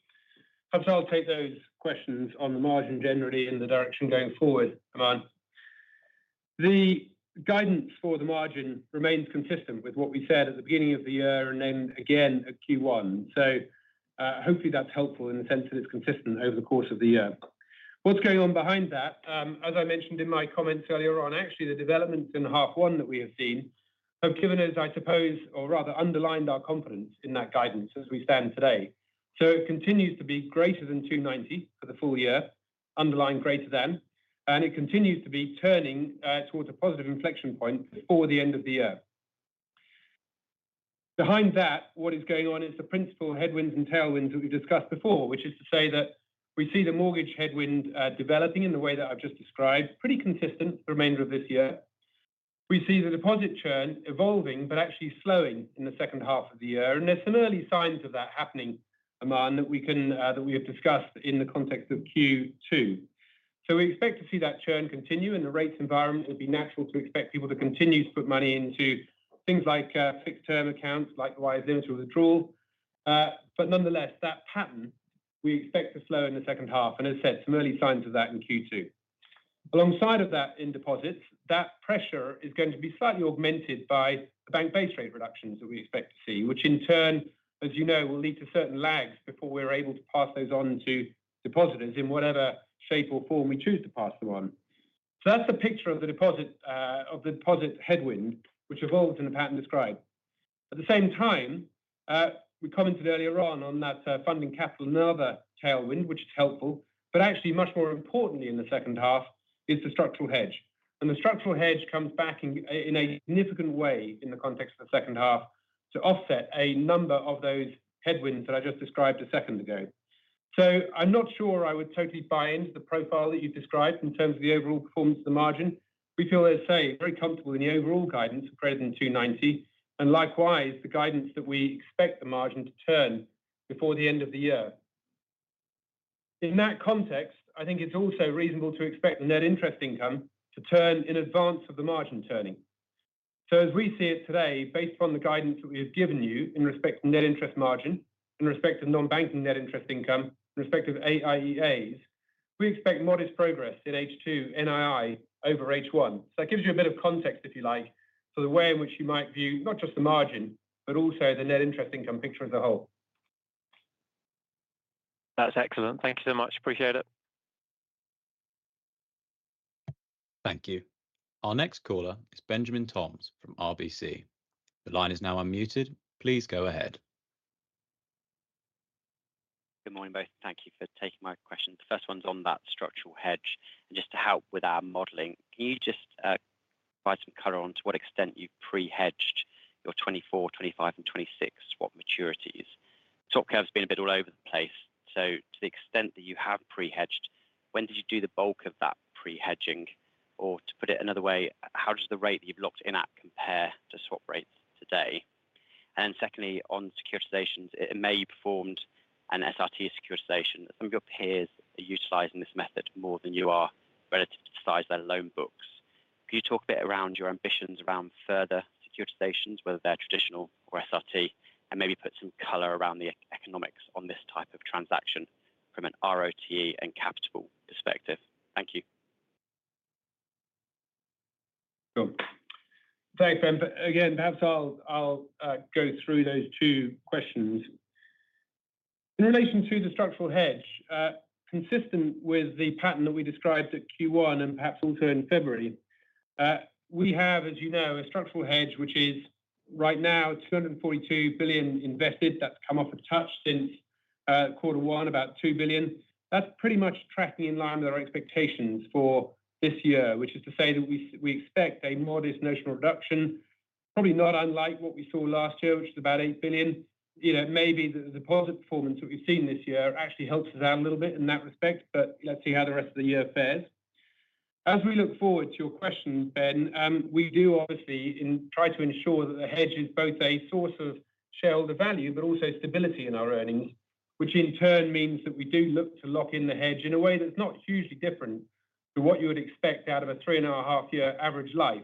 C: Perhaps I'll take those questions on the margin generally in the direction going forward, Aman. The guidance for the margin remains consistent with what we said at the beginning of the year and then again at Q1. So, hopefully that's helpful in the sense that it's consistent over the course of the year. What's going on behind that? As I mentioned in my comments earlier on, actually, the developments in half one that we have seen have given us, I suppose, or rather underlined our confidence in that guidance as we stand today. So it continues to be greater thanGBP 290 million for the full year, underlying greater than, and it continues to be turning towards a positive inflection point before the end of the year. Behind that, what is going on is the principal headwinds and tailwinds that we've discussed before, which is to say that we see the mortgage headwind developing in the way that I've just described, pretty consistent for the remainder of this year. We see the deposit churn evolving, but actually slowing in the second half of the year, and there's some early signs of that happening, Aman, that we have discussed in the context of Q2. We expect to see that churn continue. In the rates environment, it would be natural to expect people to continue to put money into things like fixed-term accounts, likewise, into a withdrawal. But nonetheless, that pattern, we expect to slow in the second half, and as I said, some early signs of that in Q2. Alongside of that, in deposits, that pressure is going to be slightly augmented by the Bank Base Rate reductions that we expect to see, which in turn, as you know, will lead to certain lags before we're able to pass those on to depositors in whatever shape or form we choose to pass them on. So that's the picture of the deposit, of the deposit headwind, which evolves in the pattern described. At the same time, we commented earlier on that funding capital and other tailwind, which is helpful, but actually much more importantly in the second half, is the Structural Hedge. And the Structural Hedge comes back in a significant way in the context of the second half to offset a number of those headwinds that I just described a second ago.... So I'm not sure I would totally buy into the profile that you've described in terms of the overall performance of the margin. We feel, as I say, very comfortable in the overall guidance of greater than 290, and likewise, the guidance that we expect the margin to turn before the end of the year. In that context, I think it's also reasonable to expect the net interest income to turn in advance of the margin turning. So as we see it today, based on the guidance that we have given you in respect to net interest margin, in respect to non-banking net interest income, in respect of AIEAs, we expect modest progress in H2 NII over H1. So that gives you a bit of context, if you like, for the way in which you might view not just the margin, but also the net interest income picture as a whole.
E: That's excellent. Thank you so much. Appreciate it.
A: Thank you. Our next caller is Benjamin Toms from RBC. The line is now unmuted. Please go ahead.
F: Good morning, both. Thank you for taking my question. The first one's on that structural hedge, and just to help with our modeling, can you just provide some color on to what extent you've pre-hedged your 2024, 2025, and 2026 swap maturities? Swap curve's been a bit all over the place, so to the extent that you have pre-hedged, when did you do the bulk of that pre-hedging? Or to put it another way, how does the rate that you've locked in at compare to swap rates today? And secondly, on securitizations, you may have performed an SRT securitization. Some of your peers are utilizing this method more than you are relative to the size of their loan books. Can you talk a bit around your ambitions around further securitizations, whether they're traditional or SRT, and maybe put some color around the economics on this type of transaction from an ROTE and capital perspective? Thank you.
C: Sure. Thanks, Ben. But again, perhaps I'll go through those two questions. In relation to the Structural Hedge, consistent with the pattern that we described at Q1 and perhaps also in February, we have, as you know, a Structural Hedge, which is right now 242 billion invested. That's come off a touch since quarter one, about 2 billion. That's pretty much tracking in line with our expectations for this year, which is to say that we expect a modest notional reduction, probably not unlike what we saw last year, which is about 8 billion. You know, maybe the deposit performance that we've seen this year actually helps us out a little bit in that respect, but let's see how the rest of the year fares. As we look forward to your question, Ben, we do obviously try to ensure that the hedge is both a source of shareholder value, but also stability in our earnings, which in turn means that we do look to lock in the hedge in a way that's not hugely different to what you would expect out of a three and a half-year average life,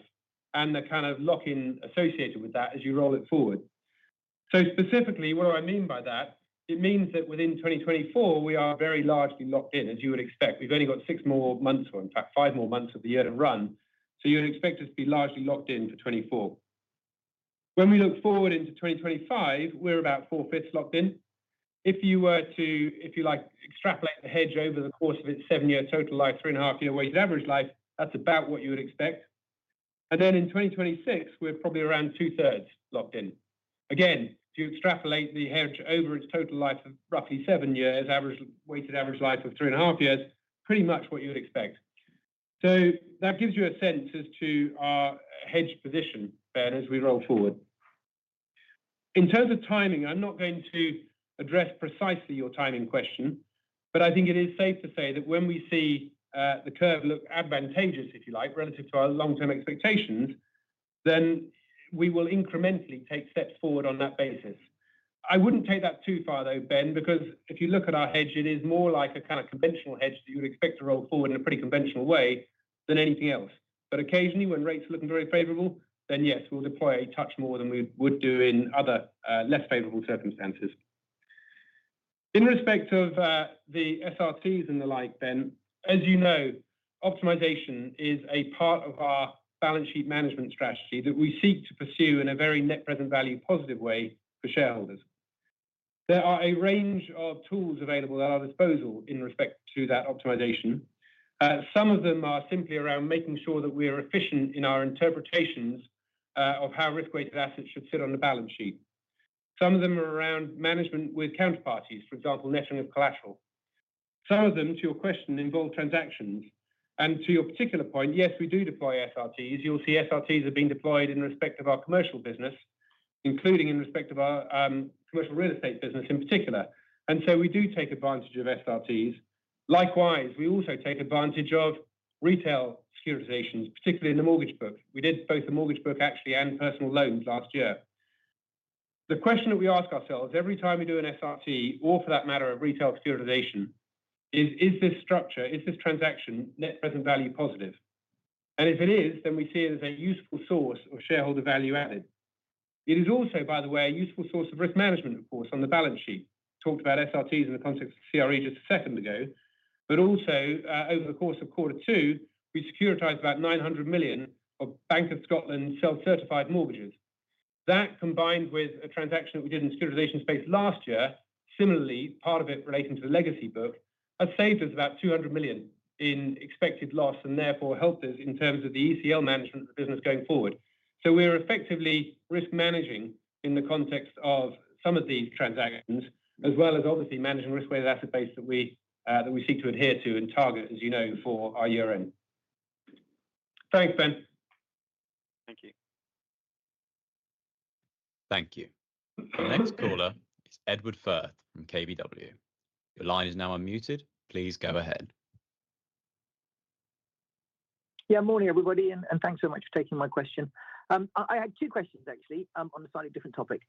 C: and the kind of lock-in associated with that as you roll it forward. So specifically, what do I mean by that? It means that within 2024, we are very largely locked in, as you would expect. We've only got 6 more months, or in fact, five more months of the year to run, so you'd expect us to be largely locked in to 2024. When we look forward into 2025, we're about 4/5 locked in. If you were to, if you like, extrapolate the hedge over the course of its seven-year total life, three and a half-year weighted average life, that's about what you would expect. And then in 2026, we're probably around 2/3 locked in. Again, to extrapolate the hedge over its total life of roughly seven years, weighted average life of three and a half years, pretty much what you would expect. So that gives you a sense as to our hedge position, Ben, as we roll forward. In terms of timing, I'm not going to address precisely your timing question, but I think it is safe to say that when we see the curve look advantageous, if you like, relative to our long-term expectations, then we will incrementally take steps forward on that basis. I wouldn't take that too far, though, Ben, because if you look at our hedge, it is more like a kind of conventional hedge that you would expect to roll forward in a pretty conventional way than anything else. But occasionally, when rates are looking very favorable, then yes, we'll deploy a touch more than we would do in other less favorable circumstances. In respect of the SRTs and the like, Ben, as you know, optimization is a part of our balance sheet management strategy that we seek to pursue in a very net present value positive way for shareholders. There are a range of tools available at our disposal in respect to that optimization. Some of them are simply around making sure that we are efficient in our interpretations of how risk-weighted assets should sit on the balance sheet. Some of them are around management with counterparties, for example, netting of collateral. Some of them, to your question, involve transactions, and to your particular point, yes, we do deploy SRTs. You'll see SRTs are being deployed in respect of our commercial business, including in respect of our, commercial real estate business in particular. And so we do take advantage of SRTs. Likewise, we also take advantage of retail securitizations, particularly in the mortgage book. We did both the mortgage book, actually, and personal loans last year. The question that we ask ourselves every time we do an SRT, or for that matter, a retail securitization, is: Is this structure, is this transaction net present value positive? And if it is, then we see it as a useful source of shareholder value added. It is also, by the way, a useful source of risk management, of course, on the balance sheet. Talked about SRTs in the context of CRE just a second ago, but also, over the course of quarter two, we securitized about 900 million of Bank of Scotland self-certified mortgages. That, combined with a transaction that we did in the securitization space last year, similarly, part of it relating to the legacy book, has saved us about 200 million in expected loss and therefore helped us in terms of the ECL management of the business going forward. So we're effectively risk managing in the context of some of these transactions, as well as obviously managing risk-weighted asset base that we, that we seek to adhere to and target, as you know, for our year-end. Thanks, Ben.
F: Thank you.
B: Thank you. The next caller is Edward Firth from KBW. Your line is now unmuted, please go ahead.
G: Yeah, morning, everybody, and thanks so much for taking my question. I had two questions actually, on a slightly different topic.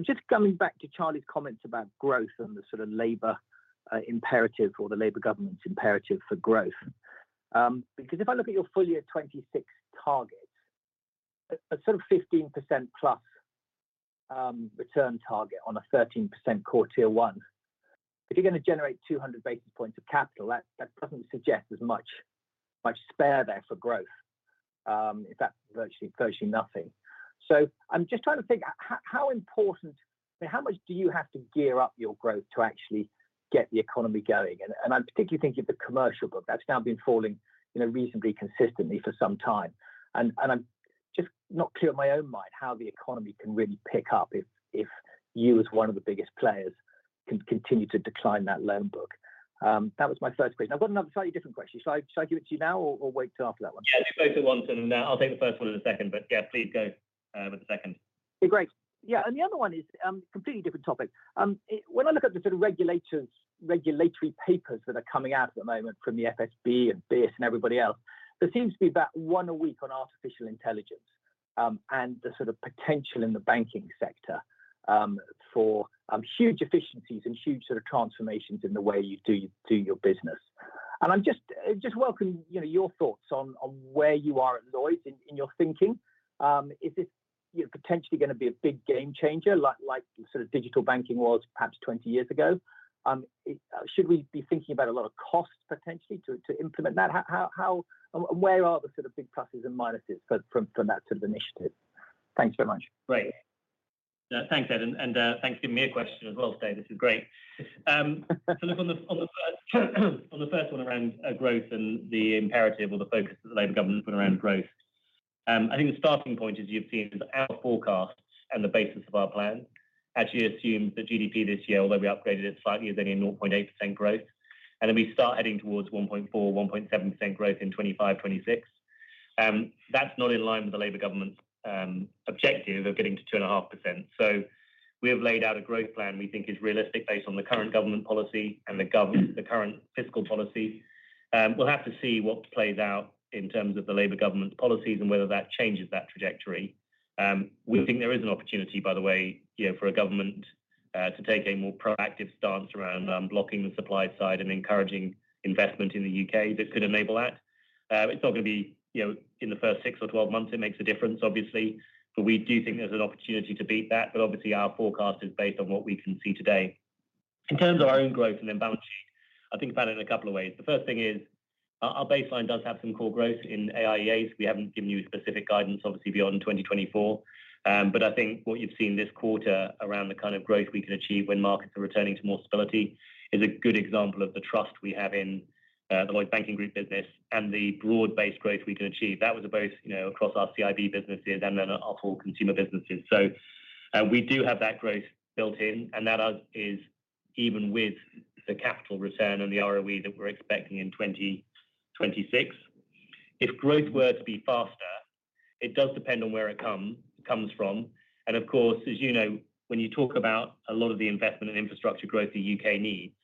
G: Just coming back to Charlie's comments about growth and the sort of Labour imperative or the Labour government's imperative for growth. Because if I look at your full year 2026 targets, a sort of 15%+ return target on a 13% core Tier 1, if you're going to generate 200 basis points of capital, that doesn't suggest there's much spare there for growth, in fact, virtually nothing. So I'm just trying to think, how important and how much do you have to gear up your growth to actually get the economy going? And I'm particularly thinking of the commercial book that's now been falling, you know, reasonably consistently for some time. And I'm just not clear in my own mind how the economy can really pick up if you, as one of the biggest players, can continue to decline that loan book. That was my first question. I've got another slightly different question. Should I give it to you now or wait till after that one?
B: Yeah, do both at once, and I'll take the first one and the second, but yeah, please go with the second.
G: Great. Yeah, and the other one is, completely different topic. When I look at the sort of regulators, regulatory papers that are coming out at the moment from the FSB and BIS and everybody else, there seems to be about 1 a week on artificial intelligence, and the sort of potential in the banking sector, for huge efficiencies and huge sort of transformations in the way you do, you do your business. And I'm just welcome, you know, your thoughts on where you are at Lloyds in your thinking. Is this, you know, potentially going to be a big game changer, like sort of digital banking was perhaps 20 years ago? Should we be thinking about a lot of costs potentially to implement that? How and where are the sort of big pluses and minuses from that sort of initiative? Thanks very much.
B: Great. Thanks, Ed, and thanks for giving me a question as well today. This is great. So look on the first one around growth and the imperative or the focus that the Labour government put around growth. I think the starting point, as you've seen, is our forecasts and the basis of our plan actually assume that GDP this year, although we upgraded it slightly, is only 0.8% growth. And then we start heading towards 1.4, 1.7% growth in 2025, 2026. That's not in line with the Labour government's objective of getting to 2.5%. So we have laid out a growth plan we think is realistic based on the current government policy and the current fiscal policy. We'll have to see what plays out in terms of the Labour government's policies and whether that changes that trajectory. We think there is an opportunity, by the way, you know, for a government to take a more proactive stance around blocking the supply side and encouraging investment in the U.K. that could enable that. It's not going to be, you know, in the first six or 12 months; it makes a difference, obviously, but we do think there's an opportunity to beat that. But obviously, our forecast is based on what we can see today. In terms of our own growth and imbalance, I think about it in a couple of ways. The first thing is our baseline does have some core growth in AIEAs. We haven't given you specific guidance, obviously, beyond 2024. But I think what you've seen this quarter around the kind of growth we can achieve when markets are returning to more stability is a good example of the trust we have in the Lloyds Banking Group business and the broad-based growth we can achieve. That was both, you know, across our CIB businesses and then our whole consumer businesses. So, we do have that growth built in, and that is even with the capital return on the ROE that we're expecting in 2026. If growth were to be faster, it does depend on where it comes from. And of course, as you know, when you talk about a lot of the investment and infrastructure growth the U.K. needs,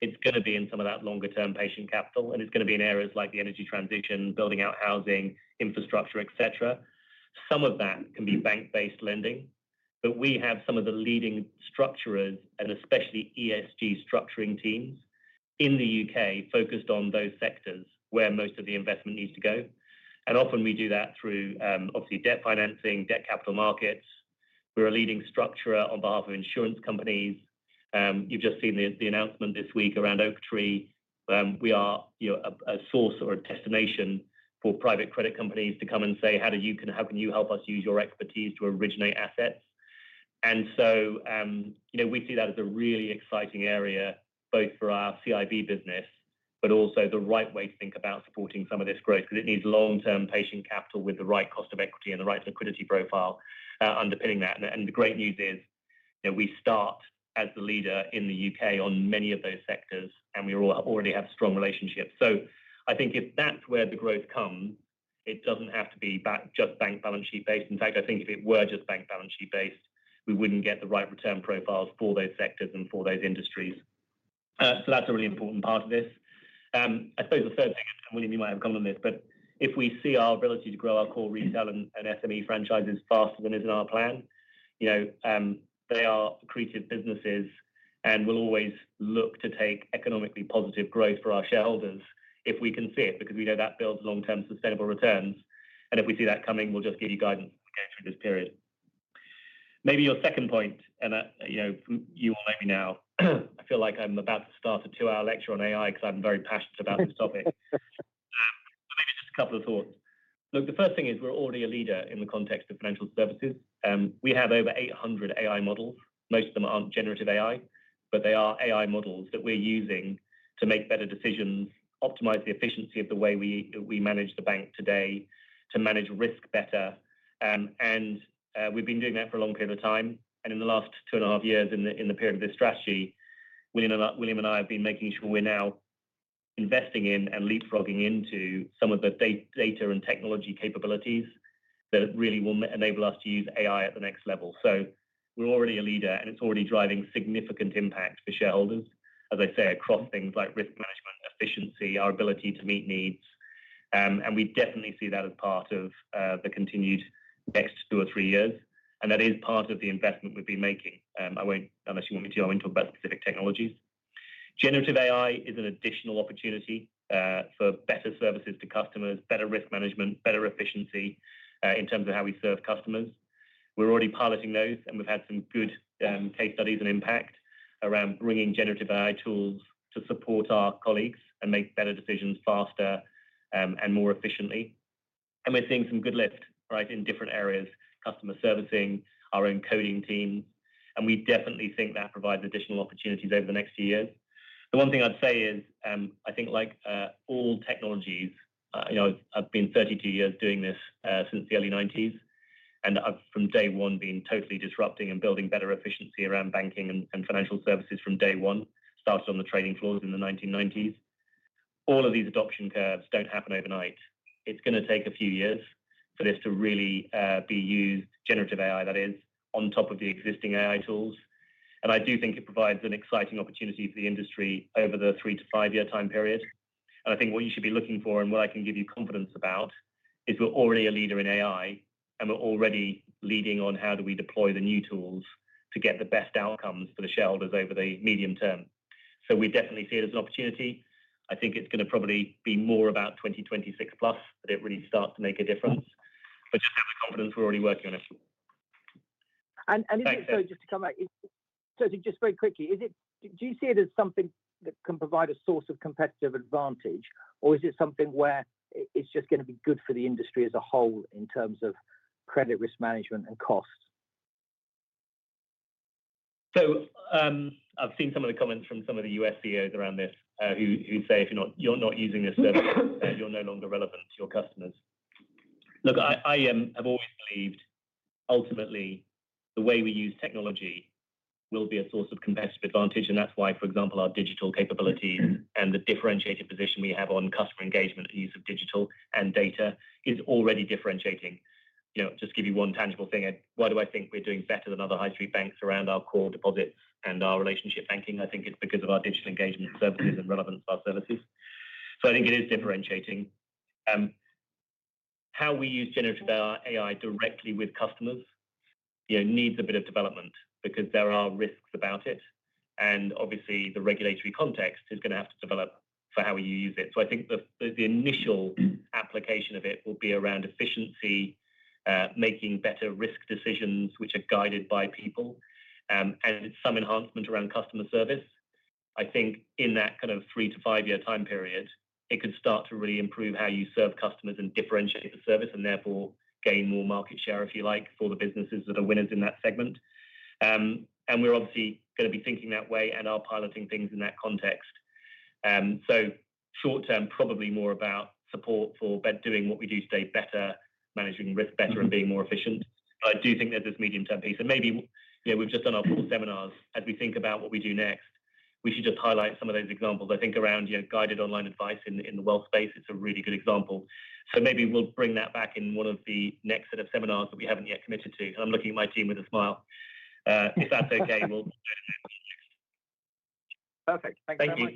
B: it's going to be in some of that longer-term patient capital, and it's going to be in areas like the energy transition, building out housing, infrastructure, et cetera. Some of that can be bank-based lending, but we have some of the leading structurers and especially ESG structuring teams in the U.K., focused on those sectors where most of the investment needs to go. And often we do that through, obviously, debt financing, debt capital markets. We're a leading structurer on behalf of insurance companies. You've just seen the announcement this week around Oaktree. We are, you know, a source or a destination for private credit companies to come and say: "How do you... “Can, how can you help us use your expertise to originate assets?” And so, you know, we see that as a really exciting area, both for our CIB business, but also the right way to think about supporting some of this growth, because it needs long-term patient capital with the right cost of equity and the right liquidity profile, underpinning that. And the great news is that we start as the leader in the U.K. on many of those sectors, and we already have strong relationships. So I think if that’s where the growth comes, it doesn’t have to be backed, just bank balance sheet-based. In fact, I think if it were just bank balance sheet-based, we wouldn’t get the right return profiles for those sectors and for those industries. So that’s a really important part of this. I suppose the third thing, and William, you might have come on this, but if we see our ability to grow our core retail and, and SME franchises faster than is in our plan, you know, they are accretive businesses, and we'll always look to take economically positive growth for our shareholders if we can see it, because we know that builds long-term sustainable returns. And if we see that coming, we'll just give you guidance as we go through this period. Maybe your second point, and, you know, you warn me now, I feel like I'm about to start a two-hour lecture on AI because I'm very passionate about this topic. Maybe just a couple of thoughts. Look, the first thing is we're already a leader in the context of financial services. We have over 800 AI models. Most of them aren't generative AI, but they are AI models that we're using to make better decisions, optimize the efficiency of the way we manage the bank today, to manage risk better. We've been doing that for a long period of time, and in the last two and a half years, in the period of this strategy, William and I have been making sure we're now investing in and leapfrogging into some of the data and technology capabilities that really will enable us to use AI at the next level. So we're already a leader, and it's already driving significant impact for shareholders, as I say, across things like risk management, efficiency, our ability to meet needs. And we definitely see that as part of the continued next two or three years, and that is part of the investment we've been making. I won't, unless you want me to, I won't talk about specific technologies. Generative AI is an additional opportunity for better services to customers, better risk management, better efficiency in terms of how we serve customers. We're already piloting those, and we've had some good case studies and impact around bringing generative AI tools to support our colleagues and make better decisions faster and more efficiently. And we're seeing some good lift, right, in different areas, customer servicing, our encoding team, and we definitely think that provides additional opportunities over the next few years. The one thing I'd say is, I think like, all technologies, you know, I've been 32 years doing this, since the early 1990s, and I've, from day one, been totally disrupting and building better efficiency around banking and, and financial services from day one. Started on the trading floor in the 1990s. All of these adoption curves don't happen overnight. It's going to take a few years for this to really, be used, generative AI that is, on top of the existing AI tools. And I do think it provides an exciting opportunity for the industry over the three to five year time period. I think what you should be looking for, and what I can give you confidence about, is we're already a leader in AI, and we're already leading on how do we deploy the new tools to get the best outcomes for the shareholders over the medium term. We definitely see it as an opportunity. I think it's going to probably be more about 2026 plus, that it really starts to make a difference. Just have the confidence we're already working on it.
G: Sorry, just to come back. Sorry, just very quickly, is it... Do you see it as something that can provide a source of competitive advantage, or is it something where it, it's just going to be good for the industry as a whole in terms of credit risk management and costs?
B: So, I've seen some of the comments from some of the U.S. CEOs around this, who say if you're not using this service, then you're no longer relevant to your customers. Look, I have always believed ultimately the way we use technology will be a source of competitive advantage, and that's why, for example, our digital capabilities and the differentiated position we have on customer engagement and use of digital and data is already differentiating. You know, just give you one tangible thing, why do I think we're doing better than other high street banks around our core deposits and our relationship banking? I think it's because of our digital engagement services and relevance of our services. So I think it is differentiating. How we use generative AI directly with customers, you know, needs a bit of development because there are risks about it, and obviously the regulatory context is going to have to develop for how we use it. So I think the initial application of it will be around efficiency, making better risk decisions, which are guided by people, and some enhancement around customer service. I think in that kind of three to five year time period, it could start to really improve how you serve customers and differentiate the service, and therefore gain more market share, if you like, for the businesses that are winners in that segment. And we're obviously going to be thinking that way and are piloting things in that context. So short term, probably more about support for doing what we do today, better, managing risk better, and being more efficient. I do think there's this medium-term piece, and maybe, you know, we've just done our fall seminars. As we think about what we do next, we should just highlight some of those examples. I think around, you know, guided online advice in the, in the wealth space, it's a really good example. So maybe we'll bring that back in one of the next set of seminars that we haven't yet committed to. I'm looking at my team with a smile. If that's okay, we'll
G: Perfect. Thank you very much.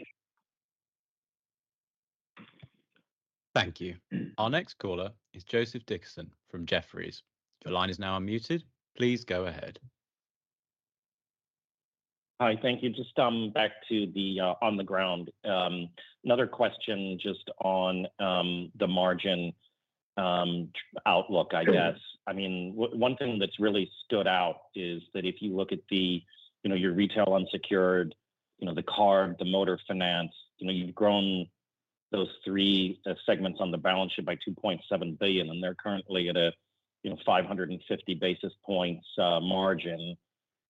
B: Thank you.
A: Thank you. Our next caller is Joseph Dixon from Jefferies. Your line is now unmuted. Please go ahead.
H: Hi, thank you. Just back to the on the ground. Another question just on the margin outlook, I guess. I mean, one thing that's really stood out is that if you look at the, you know, your retail unsecured, you know, the card, the motor finance, you know, you've grown those three segments on the balance sheet by 2.7 billion, and they're currently at a, you know, 550 basis points margin.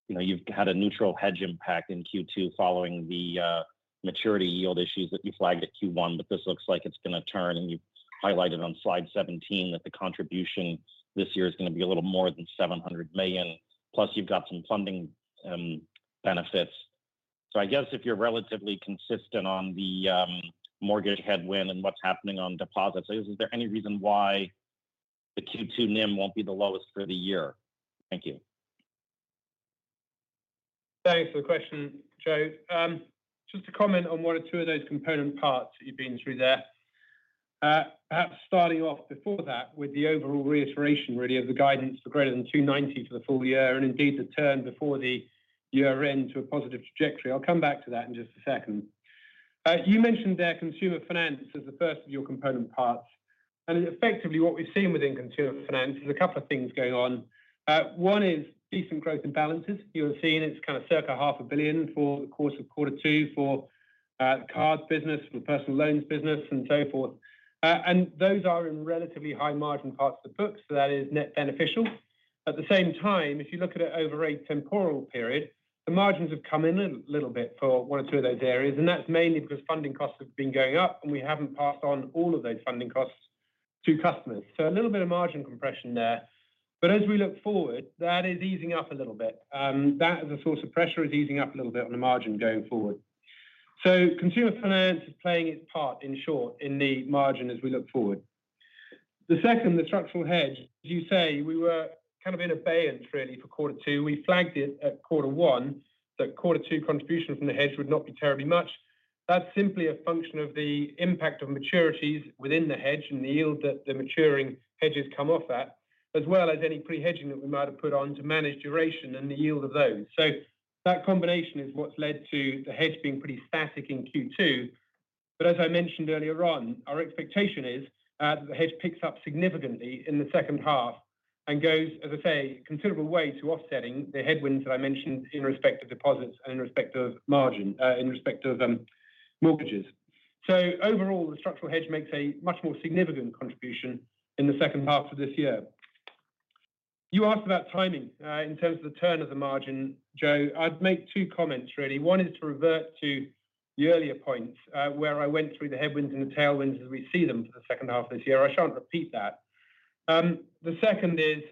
H: You know, you've had a neutral hedge impact in Q2 following the maturity yield issues that you flagged at Q1, but this looks like it's going to turn, and you've highlighted on slide 17 that the contribution this year is going to be a little more than 700 million, plus you've got some funding benefits. So I guess if you're relatively consistent on the mortgage headwind and what's happening on deposits, is there any reason why the Q2 NIM won't be the lowest for the year? Thank you.
C: Thanks for the question, Joe. Just to comment on one or two of those component parts that you've been through there. Perhaps starting off before that with the overall reiteration, really, of the guidance for greater than 290 for the full year, and indeed the turn before the year-end to a positive trajectory. I'll come back to that in just a second. You mentioned there consumer finance as the first of your component parts, and effectively what we've seen within consumer finance is a couple of things going on. One is decent growth in balances. You'll have seen it's kind of circa 500 million for the course of quarter two for the card business, for personal loans business, and so forth. And those are in relatively high margin parts of the book, so that is net beneficial. At the same time, if you look at it over a temporal period, the margins have come in a little bit for one or two of those areas, and that's mainly because funding costs have been going up, and we haven't passed on all of those funding costs to customers. So a little bit of margin compression there, but as we look forward, that is easing up a little bit. That as a source of pressure is easing up a little bit on the margin going forward. So consumer finance is playing its part, in short, in the margin as we look forward. The second, the structural hedge, as you say, we were kind of in abeyance really for quarter two. We flagged it at quarter one, that quarter two contribution from the hedge would not be terribly much. That's simply a function of the impact of maturities within the hedge and the yield that the maturing hedges come off at, as well as any pre-hedging that we might have put on to manage duration and the yield of those. So that combination is what's led to the hedge being pretty static in Q2. But as I mentioned earlier on, our expectation is that the hedge picks up significantly in the second half and goes, as I say, considerable way to offsetting the headwinds that I mentioned in respect to deposits and in respect of margin, in respect of mortgages. So overall, the structural hedge makes a much more significant contribution in the second half of this year. You asked about timing in terms of the turn of the margin, Joe. I'd make two comments, really. One is to revert to the earlier points, where I went through the headwinds and the tailwinds as we see them for the second half of this year. I shan't repeat that. The second is,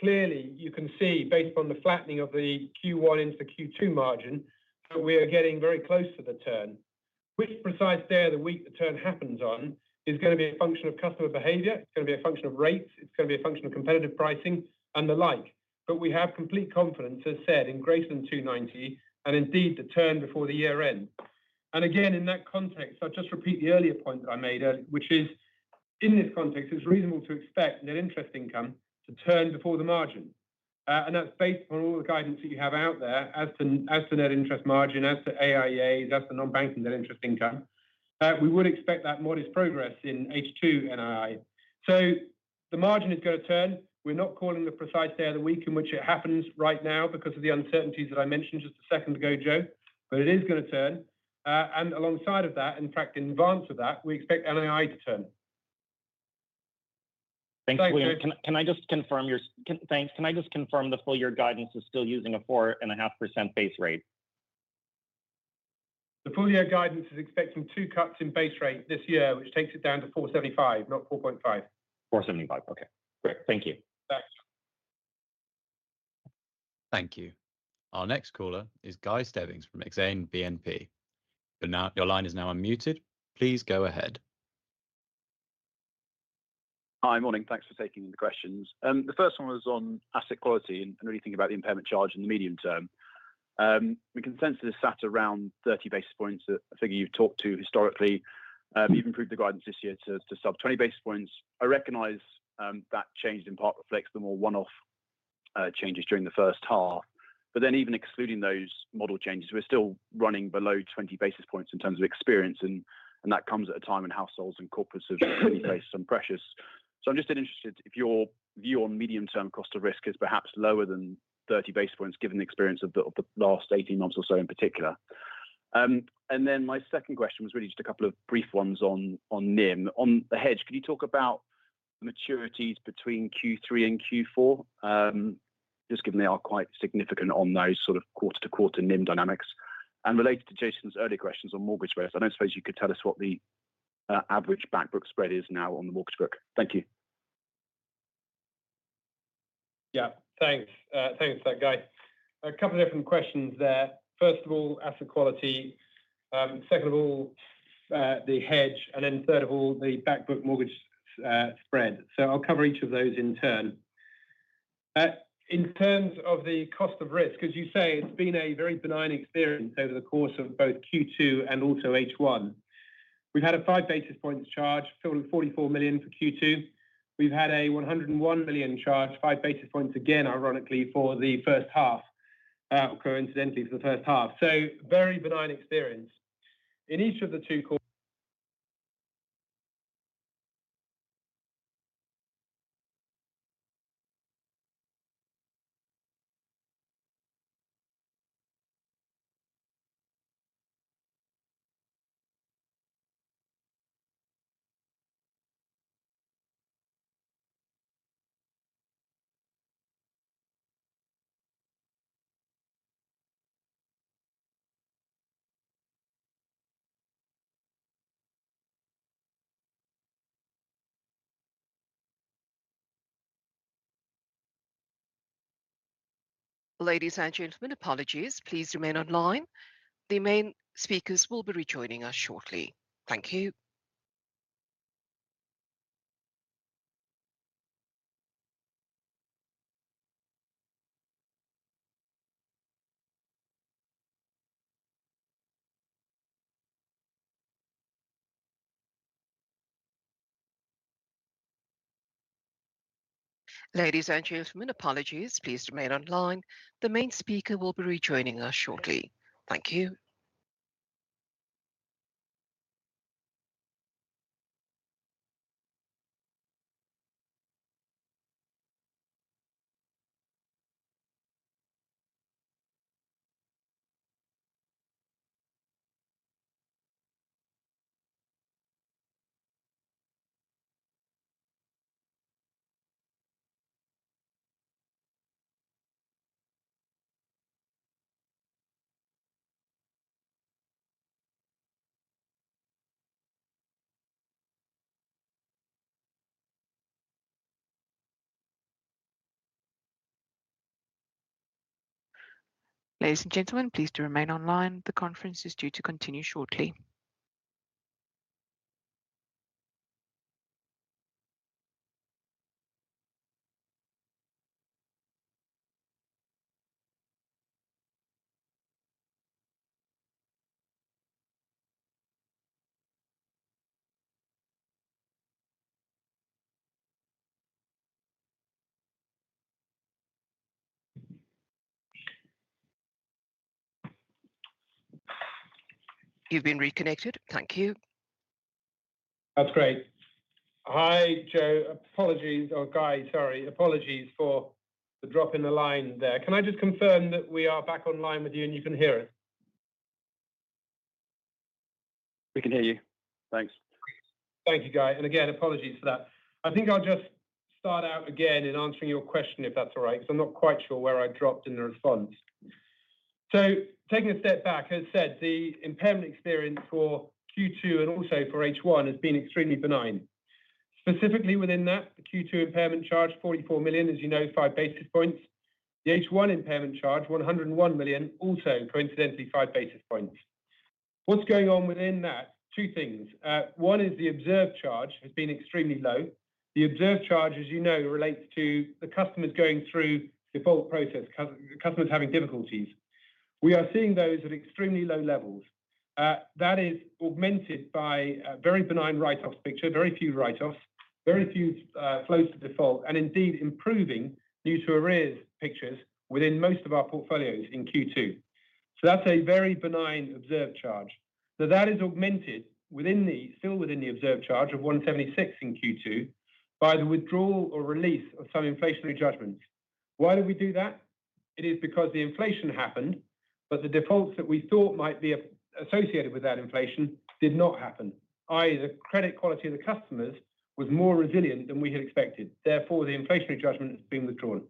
C: clearly you can see, based upon the flattening of the Q1 into the Q2 margin, that we are getting very close to the turn. Which precise day of the week the turn happens on is gonna be a function of customer behavior. It's gonna be a function of rates. It's gonna be a function of competitive pricing and the like. But we have complete confidence, as I said, in greater than 290, and indeed, the turn before the year end. And again, in that context, I'll just repeat the earlier point that I made, which is, in this context, it's reasonable to expect net interest income to turn before the margin. And that's based on all the guidance that you have out there as to net interest margin, as to AIAs, as to the non-banking net interest income. We would expect that modest progress in H2 NII. So the margin is gonna turn. We're not calling the precise day of the week in which it happens right now because of the uncertainties that I mentioned just a second ago, Joe, but it is gonna turn. And alongside of that, in fact, in advance of that, we expect NII to turn.
H: Thanks, William.
C: Thanks, Joe.
H: Can I just confirm the full year guidance is still using a 4.5% base rate?
C: The full year guidance is expecting 2 cuts in base rate this year, which takes it down to 4.75%, not 4.5%.
H: 475. Okay, great. Thank you.
C: Thanks.
A: Thank you. Our next caller is Guy Stebbings from Exane BNP. And now, your line is now unmuted. Please go ahead.
I: Hi, morning. Thanks for taking the questions. The first one was on asset quality and, and really thinking about the impairment charge in the medium term. The consensus sat around 30 basis points, a figure you've talked to historically. You've improved the guidance this year to, to sub 20 basis points. I recognize, that change in part reflects the more one-off, changes during the first half. But then even excluding those model changes, we're still running below 20 basis points in terms of experience, and, and that comes at a time when households and corporates have really faced some pressures. So I'm just interested if your view on medium-term cost of risk is perhaps lower than 30 basis points, given the experience of the, of the last 18 months or so in particular. Then my second question was really just a couple of brief ones on, on NIM. On the hedge, can you talk about maturities between Q3 and Q4? Just given they are quite significant on those sort of quarter-to-quarter NIM dynamics. And related to Jason's earlier questions on mortgage rates, I don't suppose you could tell us what the average back book spread is now on the mortgage book. Thank you.
C: Yeah, thanks. Thanks for that, Guy. A couple different questions there. First of all, asset quality, second of all, the hedge, and then third of all, the back book mortgage, spread. So I'll cover each of those in turn. In terms of the cost of risk, as you say, it's been a very benign experience over the course of both Q2 and also H1. We've had a five basis points charge, totaling 44 million for Q2. We've had a 101 million charge, five basis points again, ironically, for the first half, coincidentally for the first half. So very benign experience. In each of the two quarter-
A: Ladies and gentlemen, apologies. Please remain online. The main speakers will be rejoining us shortly. Thank you. Ladies and gentlemen, apologies. Please remain online. The main speaker will be rejoining us shortly. Thank you. Ladies and gentlemen, please do remain online. The conference is due to continue shortly. You've been reconnected. Thank you.
C: That's great. Hi, Joe. Apologies... Or Guy, sorry. Apologies for the drop in the line there. Can I just confirm that we are back online with you, and you can hear us?
I: We can hear you. Thanks.
C: Thank you, Guy, and again, apologies for that. I think I'll just start out again in answering your question, if that's all right, because I'm not quite sure where I dropped in the response. So taking a step back, as I said, the impairment experience for Q2 and also for H1 has been extremely benign. Specifically within that, the Q2 impairment charge, 44 million, as you know, five basis points. The H1 impairment charge, 101 million, also coincidentally, five basis points. What's going on within that? Two things. One is the observed charge has been extremely low. The observed charge, as you know, relates to the customers going through default process, customers having difficulties. We are seeing those at extremely low levels. That is augmented by a very benign write-offs picture, very few write-offs, very few, close to default, and indeed, improving new to arrears pictures within most of our portfolios in Q2. So that's a very benign observed charge. So that is augmented within the, still within the observed charge of 176 million in Q2, by the withdrawal or release of some inflationary judgments. Why did we do that? It is because the inflation happened, but the defaults that we thought might be associated with that inflation did not happen, i.e., the credit quality of the customers was more resilient than we had expected. Therefore, the inflationary judgment has been withdrawn.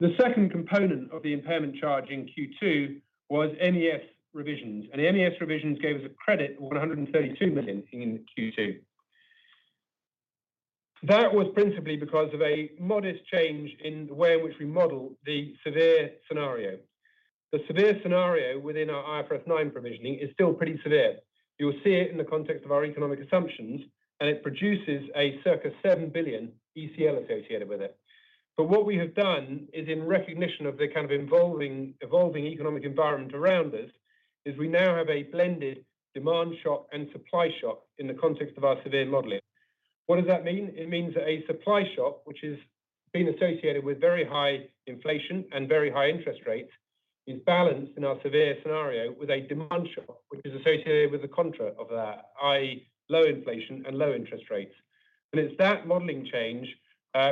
C: The second component of the impairment charge in Q2 was MES revisions, and the MES revisions gave us a credit of 132 million in Q2. That was principally because of a modest change in the way in which we model the severe scenario. The severe scenario within our IFRS 9 provisioning is still pretty severe. You'll see it in the context of our economic assumptions, and it produces a circa 7 billion ECL associated with it. But what we have done is in recognition of the kind of evolving economic environment around us, is we now have a blended demand shock and supply shock in the context of our severe modeling. What does that mean? It means that a supply shock, which has been associated with very high inflation and very high interest rates, is balanced in our severe scenario with a demand shock, which is associated with the contra of that, i.e., low inflation and low interest rates. And it's that modeling change,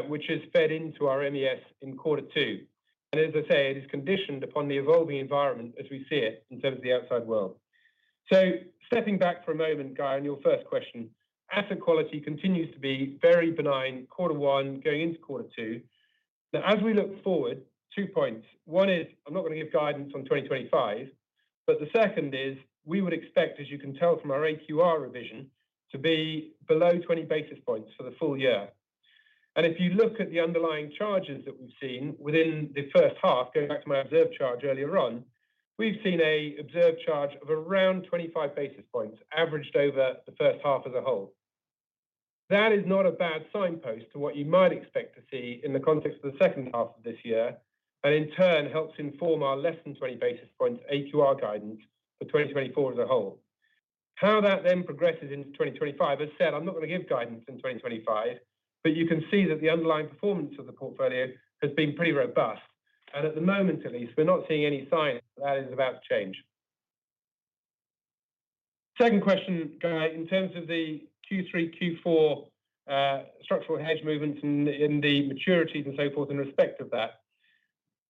C: which is fed into our MES in quarter two. And as I say, it is conditioned upon the evolving environment as we see it in terms of the outside world. So stepping back for a moment, Guy, on your first question, asset quality continues to be very benign, Quarter One going into Quarter Two. Now, as we look forward, two points. One is, I'm not going to give guidance on 2025, but the second is, we would expect, as you can tell from our AQR revision, to be below 20 basis points for the full year. And if you look at the underlying charges that we've seen within the first half, going back to my observed charge earlier on, we've seen an observed charge of around 25 basis points, averaged over the first half as a whole. That is not a bad signpost to what you might expect to see in the context of the second half of this year, and in turn, helps inform our less than 20 basis points AQR guidance for 2024 as a whole. How that then progresses into 2025, as said, I'm not going to give guidance in 2025, but you can see that the underlying performance of the portfolio has been pretty robust. And at the moment, at least, we're not seeing any sign that is about to change. Second question, Guy, in terms of the Q3, Q4, structural hedge movements in the maturities and so forth in respect of that,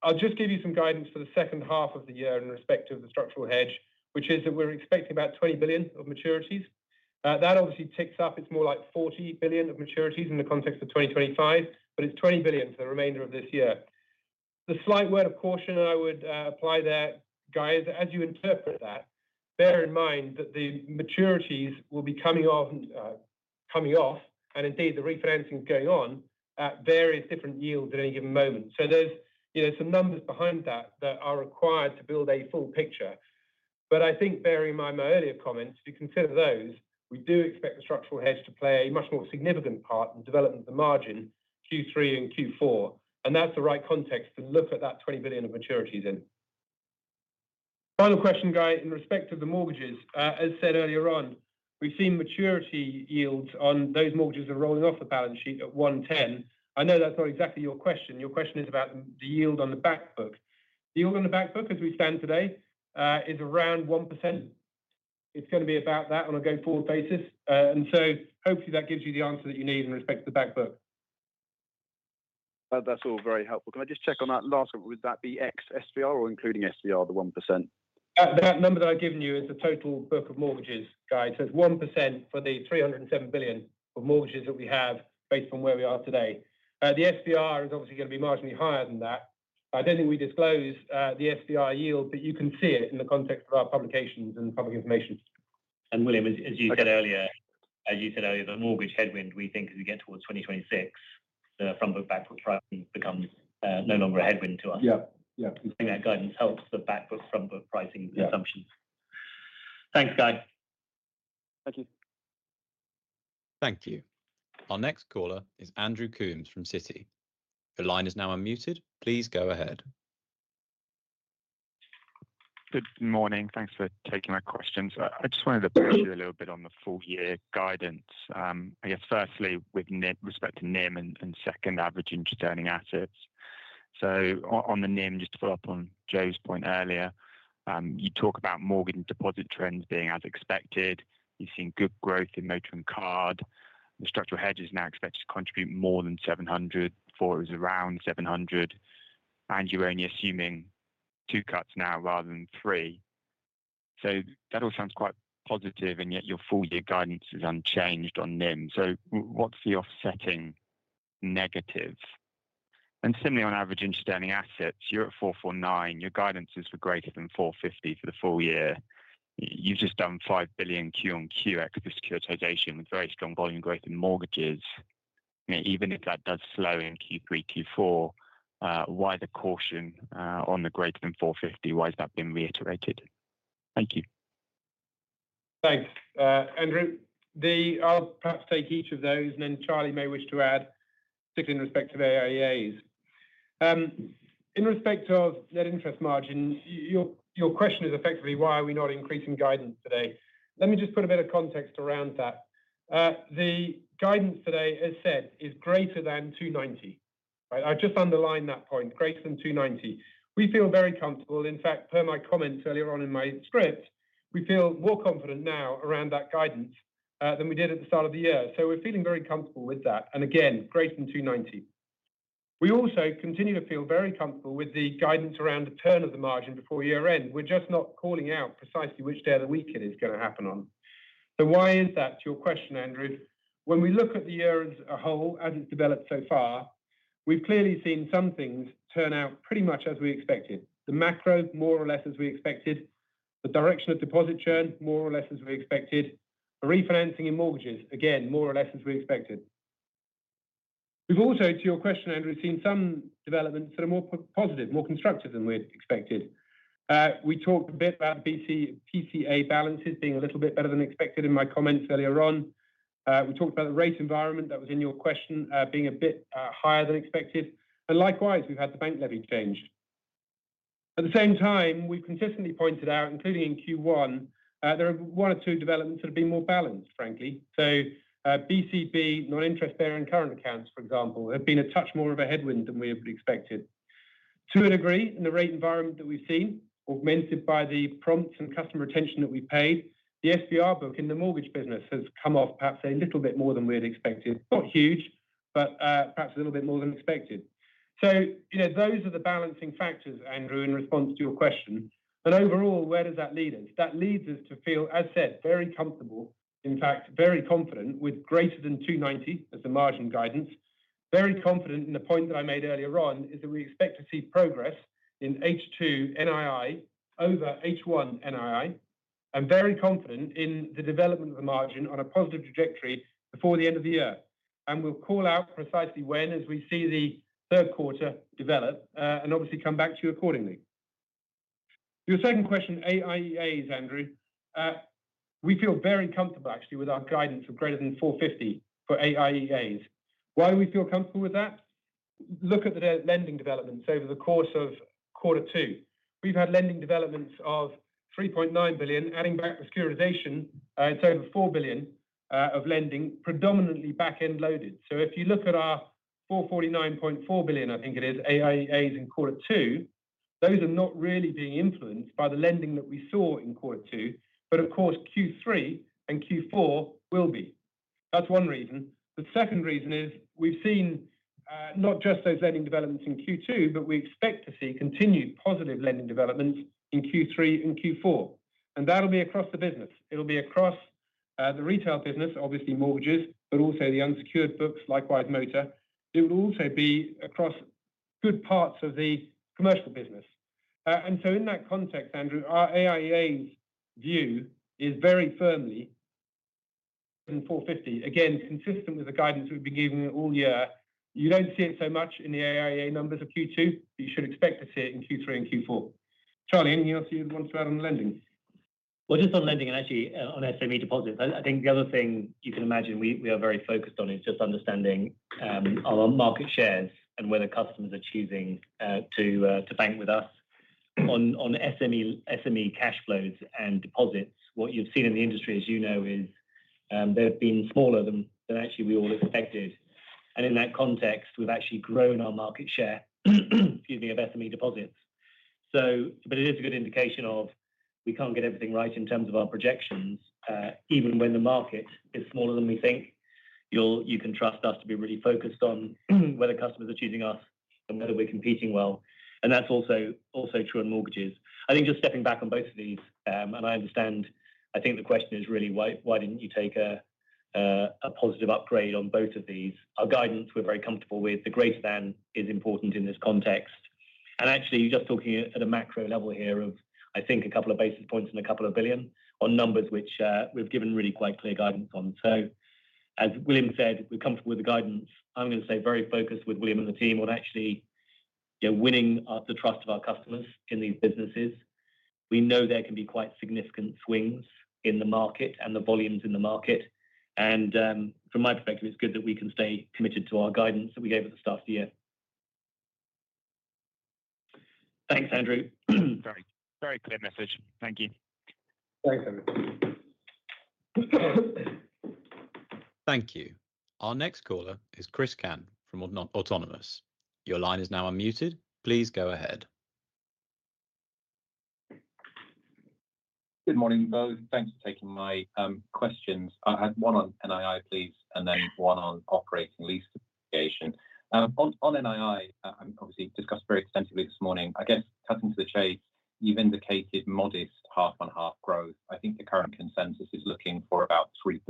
C: I'll just give you some guidance for the second half of the year in respect of the structural hedge, which is that we're expecting about 20 billion of maturities. That obviously ticks up. It's more like 40 billion of maturities in the context of 2025, but it's 20 billion for the remainder of this year. The slight word of caution I would apply there, Guy, is as you interpret that, bear in mind that the maturities will be coming off, and indeed, the refinancing is going on at various different yields at any given moment. So there's, you know, some numbers behind that, that are required to build a full picture. But I think bearing in mind my earlier comments, if you consider those, we do expect the structural hedge to play a much more significant part in the development of the margin, Q3 and Q4, and that's the right context to look at that 20 billion of maturities in. Final question, Guy, in respect to the mortgages. As said earlier on, we've seen maturity yields on those mortgages are rolling off the balance sheet at 1.10. I know that's not exactly your question. Your question is about the yield on the back book. The yield on the back book, as we stand today, is around 1%. It's going to be about that on a going-forward basis. And so hopefully, that gives you the answer that you need in respect to the back book.
I: That's all very helpful. Can I just check on that last one? Would that be ex-SVR or including SVR, the 1%?
C: That number that I've given you is the total book of mortgages, Guy. So it's 1% for the 307 billion of mortgages that we have based on where we are today. The SVR is obviously going to be marginally higher than that. I don't think we disclose the SVR yield, but you can see it in the context of our publications and public information....
B: William, as you said earlier, the mortgage headwind, we think as we get towards 2026, the front book, back book pricing becomes no longer a headwind to us.
C: Yeah. Yeah.
B: We think that guidance helps the back book, front book pricing assumptions.
C: Yeah.
B: Thanks, guys.
C: Thank you.
A: Thank you. Our next caller is Andrew Coombs from Citi. The line is now unmuted, please go ahead.
J: Good morning. Thanks for taking my questions. I just wanted to push you a little bit on the full year guidance. I guess firstly, with respect to NIM and second, average interest earning assets. So on the NIM, just to follow up on Joe's point earlier, you talk about mortgage and deposit trends being as expected. You've seen good growth in motor and card. The structural hedge is now expected to contribute more than 700, before it was around 700, and you're only assuming two cuts now rather than three. So that all sounds quite positive, and yet your full year guidance is unchanged on NIM. So what's the offsetting negative? And similarly, on average interest earning assets, you're at 449. Your guidance is for greater than 450 for the full year. You've just done 5 billion Q on Q ex the securitization, with very strong volume growth in mortgages. I mean, even if that does slow in Q3, Q4, why the caution on the greater than 450? Why has that been reiterated? Thank you.
C: Thanks. Andrew, I'll perhaps take each of those, and then Charlie may wish to add, particularly in respect to AIEAs. In respect of net interest margin, your question is effectively why are we not increasing guidance today? Let me just put a bit of context around that. The guidance today, as said, is greater than 290, right? I've just underlined that point, greater than 290. We feel very comfortable, in fact, per my comments earlier on in my script, we feel more confident now around that guidance, than we did at the start of the year. So we're feeling very comfortable with that, and again, greater than 290. We also continue to feel very comfortable with the guidance around the turn of the margin before year end. We're just not calling out precisely which day of the week it is gonna happen on. So why is that, to your question, Andrew? When we look at the year as a whole, as it's developed so far, we've clearly seen some things turn out pretty much as we expected. The macro, more or less as we expected, the direction of deposit churn, more or less as we expected. The refinancing in mortgages, again, more or less as we expected. We've also, to your question, Andrew, seen some developments that are more positive, more constructive than we'd expected. We talked a bit about BCB BCA balances being a little bit better than expected in my comments earlier on. We talked about the rate environment, that was in your question, being a bit higher than expected. And likewise, we've had the bank levy change. At the same time, we've consistently pointed out, including in Q1, there are one or two developments that have been more balanced, frankly. So, BCB, non-interest bearing current accounts, for example, have been a touch more of a headwind than we had expected. To a degree, in the rate environment that we've seen, augmented by the prompts and customer retention that we paid, the FBR book in the mortgage business has come off perhaps a little bit more than we had expected. Not huge, but, perhaps a little bit more than expected. So, you know, those are the balancing factors, Andrew, in response to your question. But overall, where does that lead us? That leads us to feel, as said, very comfortable, in fact, very confident, with greater than 290 as the margin guidance. Very confident in the point that I made earlier on is that we expect to see progress in H2 NII over H1 NII, and very confident in the development of the margin on a positive trajectory before the end of the year. And we'll call out precisely when, as we see the third quarter develop, and obviously come back to you accordingly. Your second question, AIEAs, Andrew. We feel very comfortable, actually, with our guidance of greater than 450 for AIEAs. Why do we feel comfortable with that? Look at the lending developments over the course of quarter two. We've had lending developments of 3.9 billion, adding back the securitization, it's over 4 billion of lending, predominantly back-end loaded. So if you look at our 449.4 billion, I think it is, AIEAs in quarter two, those are not really being influenced by the lending that we saw in quarter two, but of course, Q3 and Q4 will be. That's one reason. The second reason is we've seen, not just those lending developments in Q2, but we expect to see continued positive lending developments in Q3 and Q4, and that'll be across the business. It'll be across, the retail business, obviously mortgages, but also the unsecured books, likewise, motor. It will also be across good parts of the commercial business. And so in that context, Andrew, our AIEA view is very firmly in 450. Again, consistent with the guidance we've been giving it all year. You don't see it so much in the AIEA numbers of Q2, but you should expect to see it in Q3 and Q4. Charlie, anything else you'd want to add on lending?
B: Well, just on lending and actually, on SME deposits, I, I think the other thing you can imagine we are very focused on is just understanding our market shares and whether customers are choosing to bank with us. On SME cash flows and deposits, what you've seen in the industry, as you know, is they've been smaller than actually we all expected. And in that context, we've actually grown our market share, excuse me, of SME deposits. So... But it is a good indication that we can't get everything right in terms of our projections, even when the market is smaller than we think. You can trust us to be really focused on whether customers are choosing us and whether we're competing well, and that's also true in mortgages. I think just stepping back on both of these, and I understand, I think the question is really why, why didn't you take a a positive upgrade on both of these? Our guidance, we're very comfortable with. The greater than is important in this context... and actually, you're just talking at a macro level here of, I think, a couple of basis points and a couple of billion on numbers which, we've given really quite clear guidance on. So as William said, we're comfortable with the guidance. I'm gonna say very focused with William and the team on actually, you know, winning the trust of our customers in these businesses. We know there can be quite significant swings in the market and the volumes in the market, and, from my perspective, it's good that we can stay committed to our guidance that we gave at the start of the year. Thanks, Andrew.
J: Very, very clear message. Thank you.
C: Thanks, Andrew.
A: Thank you. Our next caller is Chris Cant from Autonomous. Your line is now unmuted. Please go ahead.
K: Good morning, both. Thanks for taking my questions. I had one on NII, please, and then one on operating lease depreciation. On NII, and obviously discussed very extensively this morning, I guess cutting to the chase, you've indicated modest half-on-half growth. I think the current consensus is looking for about 3%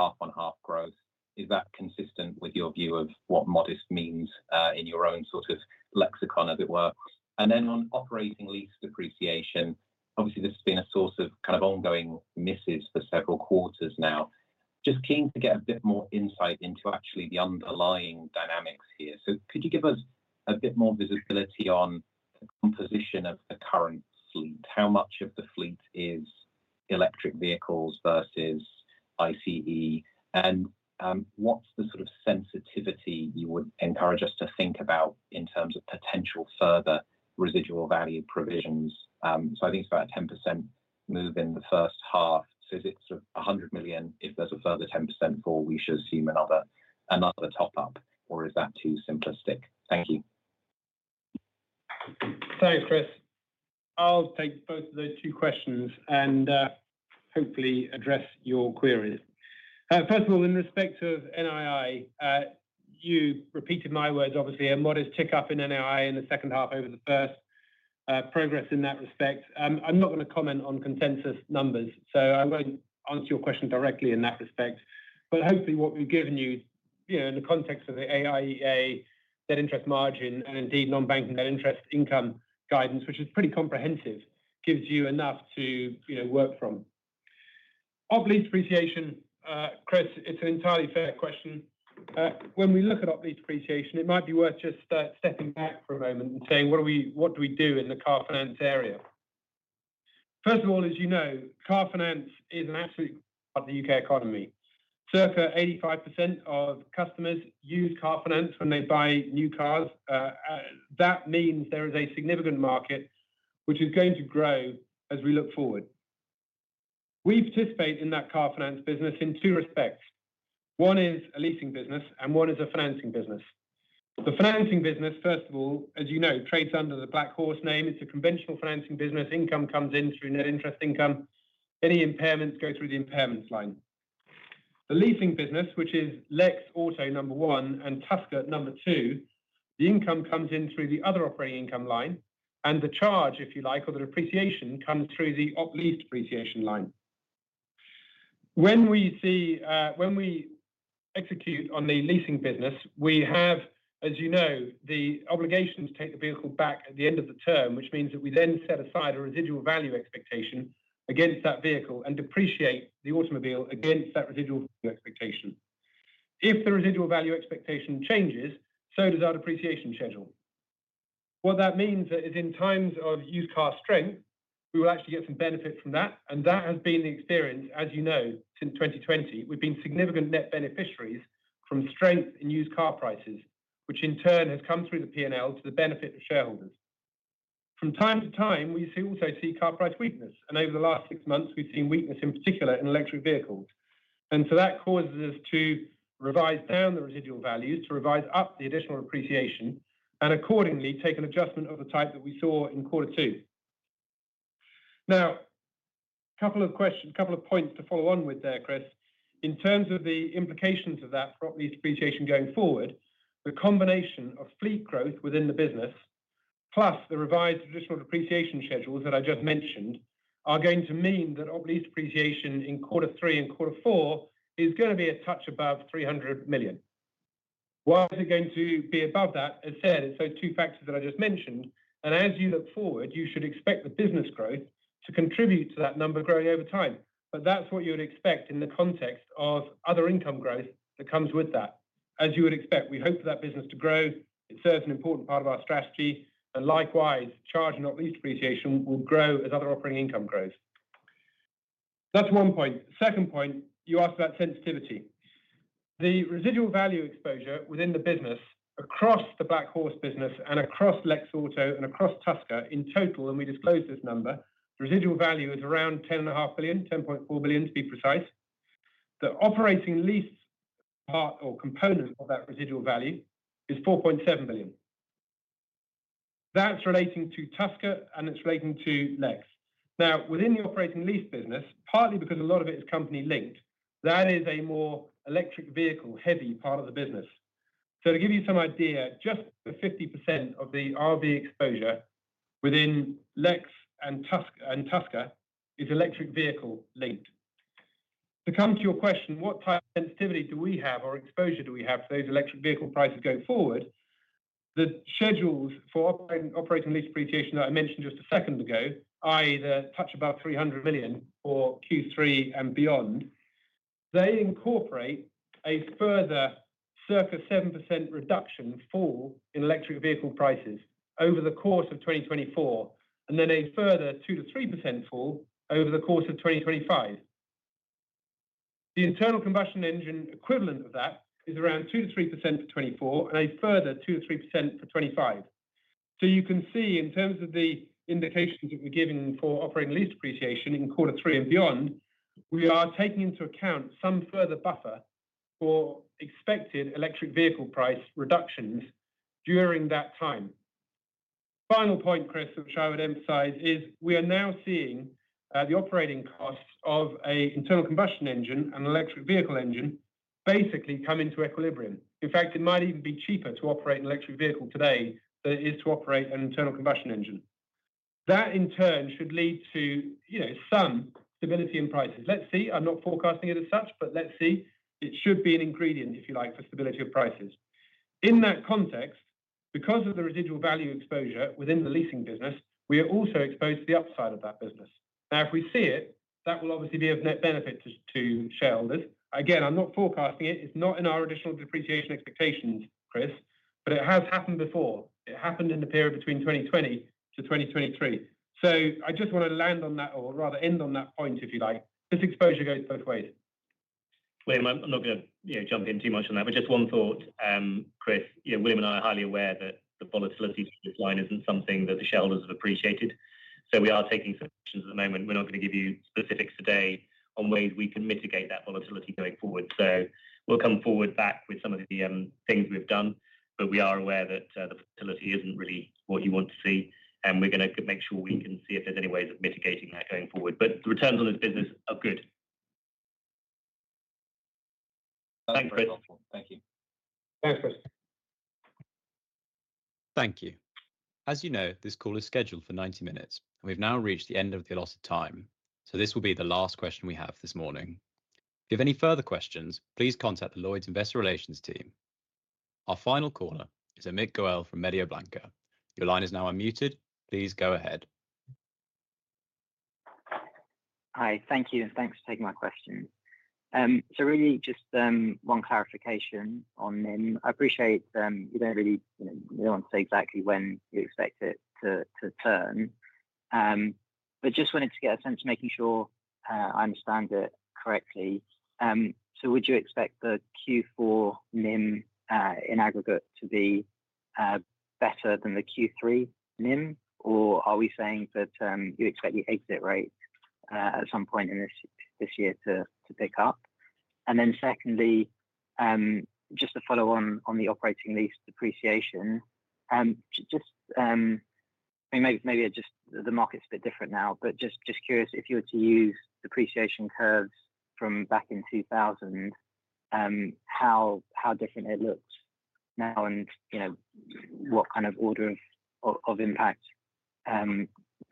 K: half-on-half growth. Is that consistent with your view of what modest means, in your own sort of lexicon, as it were? And then on operating lease depreciation, obviously, this has been a source of kind of ongoing misses for several quarters now. Just keen to get a bit more insight into actually the underlying dynamics here. So could you give us a bit more visibility on the composition of the current fleet? How much of the fleet is electric vehicles versus ICE? What's the sort of sensitivity you would encourage us to think about in terms of potential further residual value provisions? So I think it's about a 10% move in the first half. So is it sort of 100 million, if there's a further 10% fall, we should assume another, another top-up, or is that too simplistic? Thank you.
C: Thanks, Chris. I'll take both of those two questions and hopefully address your queries. First of all, in respect of NII, you repeated my words, obviously, a modest tick-up in NII in the second half over the first, progress in that respect. I'm not gonna comment on consensus numbers, so I won't answer your question directly in that respect. But hopefully what we've given you, you know, in the context of the AIEA, net interest margin, and indeed, non-bank net interest income guidance, which is pretty comprehensive, gives you enough to, you know, work from. Operating lease depreciation, Chris, it's an entirely fair question. When we look at operating lease depreciation, it might be worth just stepping back for a moment and saying: What do we, what do we do in the car finance area? First of all, as you know, car finance is a part of the U.K. economy. Circa 85% of customers use car finance when they buy new cars. That means there is a significant market which is going to grow as we look forward. We participate in that car finance business in two respects. One is a leasing business, and one is a financing business. The financing business, first of all, as you know, trades under the Black Horse name. It's a conventional financing business. Income comes in through net interest income. Any impairments go through the impairments line. The leasing business, which is Lex Auto, number one, and Tusker, number two, the income comes in through the other operating income line, and the charge, if you like, or the depreciation, comes through the op lease depreciation line. When we see... When we execute on the leasing business, we have, as you know, the obligation to take the vehicle back at the end of the term, which means that we then set aside a residual value expectation against that vehicle and depreciate the automobile against that residual expectation. If the residual value expectation changes, so does our depreciation schedule. What that means is, in times of used car strength, we will actually get some benefit from that, and that has been the experience, as you know, since 2020. We've been significant net beneficiaries from strength in used car prices, which in turn has come through the P&L to the benefit of shareholders. From time to time, we also see car price weakness, and over the last six months, we've seen weakness, in particular, in electric vehicles. So that causes us to revise down the residual values, to revise up the additional depreciation, and accordingly, take an adjustment of the type that we saw in quarter two. Now, a couple of questions, couple of points to follow on with there, Chris. In terms of the implications of that for op lease depreciation going forward, the combination of fleet growth within the business, plus the revised traditional depreciation schedules that I just mentioned, are going to mean that op lease depreciation in quarter three and quarter four is gonna be a touch above 300 million. Why is it going to be above that? As I said, it's those two factors that I just mentioned, and as you look forward, you should expect the business growth to contribute to that number growing over time. But that's what you would expect in the context of other income growth that comes with that. As you would expect, we hope for that business to grow. It serves an important part of our strategy, and likewise, charge and op lease depreciation will grow as other operating income grows. That's one point. Second point, you asked about sensitivity. The residual value exposure within the business, across the Black Horse business and across Lex Autolease and across Tusker, in total, and we disclose this number, the residual value is around 10.5 billion, 10.4 billion, to be precise. The operating lease part or component of that residual value is 4.7 billion. That's relating to Tusker, and it's relating to Lex. Now, within the operating lease business, partly because a lot of it is company linked, that is a more electric vehicle-heavy part of the business. So to give you some idea, just the 50% of the RV exposure within Lex and Tusker is electric vehicle linked. To come to your question, what type of sensitivity do we have or exposure do we have to those electric vehicle prices going forward? The schedules for operating lease depreciation that I mentioned just a second ago, i.e., the touch about 300 million for Q3 and beyond, they incorporate a further circa 7% reduction fall in electric vehicle prices over the course of 2024, and then a further 2%-3% fall over the course of 2025. The internal combustion engine equivalent of that is around 2%-3% for 2024, and a further 2%-3% for 2025. So you can see in terms of the indications that we're giving for operating lease depreciation in quarter three and beyond, we are taking into account some further buffer for expected electric vehicle price reductions during that time. Final point, Chris, which I would emphasize, is we are now seeing the operating costs of a internal combustion engine and electric vehicle engine basically come into equilibrium. In fact, it might even be cheaper to operate an electric vehicle today than it is to operate an internal combustion engine. That, in turn, should lead to, you know, some stability in prices. Let's see, I'm not forecasting it as such, but let's see. It should be an ingredient, if you like, for stability of prices. In that context, because of the residual value exposure within the leasing business, we are also exposed to the upside of that business. Now, if we see it, that will obviously be of net benefit to, to shareholders. Again, I'm not forecasting it. It's not in our additional depreciation expectations, Chris, but it has happened before. It happened in the period between 2020 to 2023. So I just want to land on that, or rather end on that point, if you like. This exposure goes both ways.
B: William, I'm not going to, you know, jump in too much on that, but just one thought. Chris, you know, William and I are highly aware that the volatility of this line isn't something that the shareholders have appreciated, so we are taking some actions at the moment. We're not going to give you specifics today on ways we can mitigate that volatility going forward. So we'll come forward back with some of the things we've done, but we are aware that the volatility isn't really what you want to see, and we're gonna make sure we can see if there's any ways of mitigating that going forward. But the returns on this business are good. Thanks, Chris.
K: Thank you.
C: Thanks, Chris.
A: Thank you. As you know, this call is scheduled for 90 minutes, and we've now reached the end of the allotted time, so this will be the last question we have this morning. If you have any further questions, please contact the Lloyds Investor Relations team. Our final caller is Amit Goel from Mediobanca. Your line is now unmuted. Please go ahead.
L: Hi. Thank you, and thanks for taking my question. So really just one clarification on NIM. I appreciate you don't really, you know, you don't want to say exactly when you expect it to turn, but just wanted to get a sense of making sure I understand it correctly. So would you expect the Q4 NIM in aggregate to be better than the Q3 NIM, or are we saying that you expect your exit rate at some point in this year to pick up? And then secondly, just to follow on the operating lease depreciation, maybe the market's a bit different now, but just curious, if you were to use depreciation curves from back in 2000, how different it looks now, and, you know, what kind of order of impact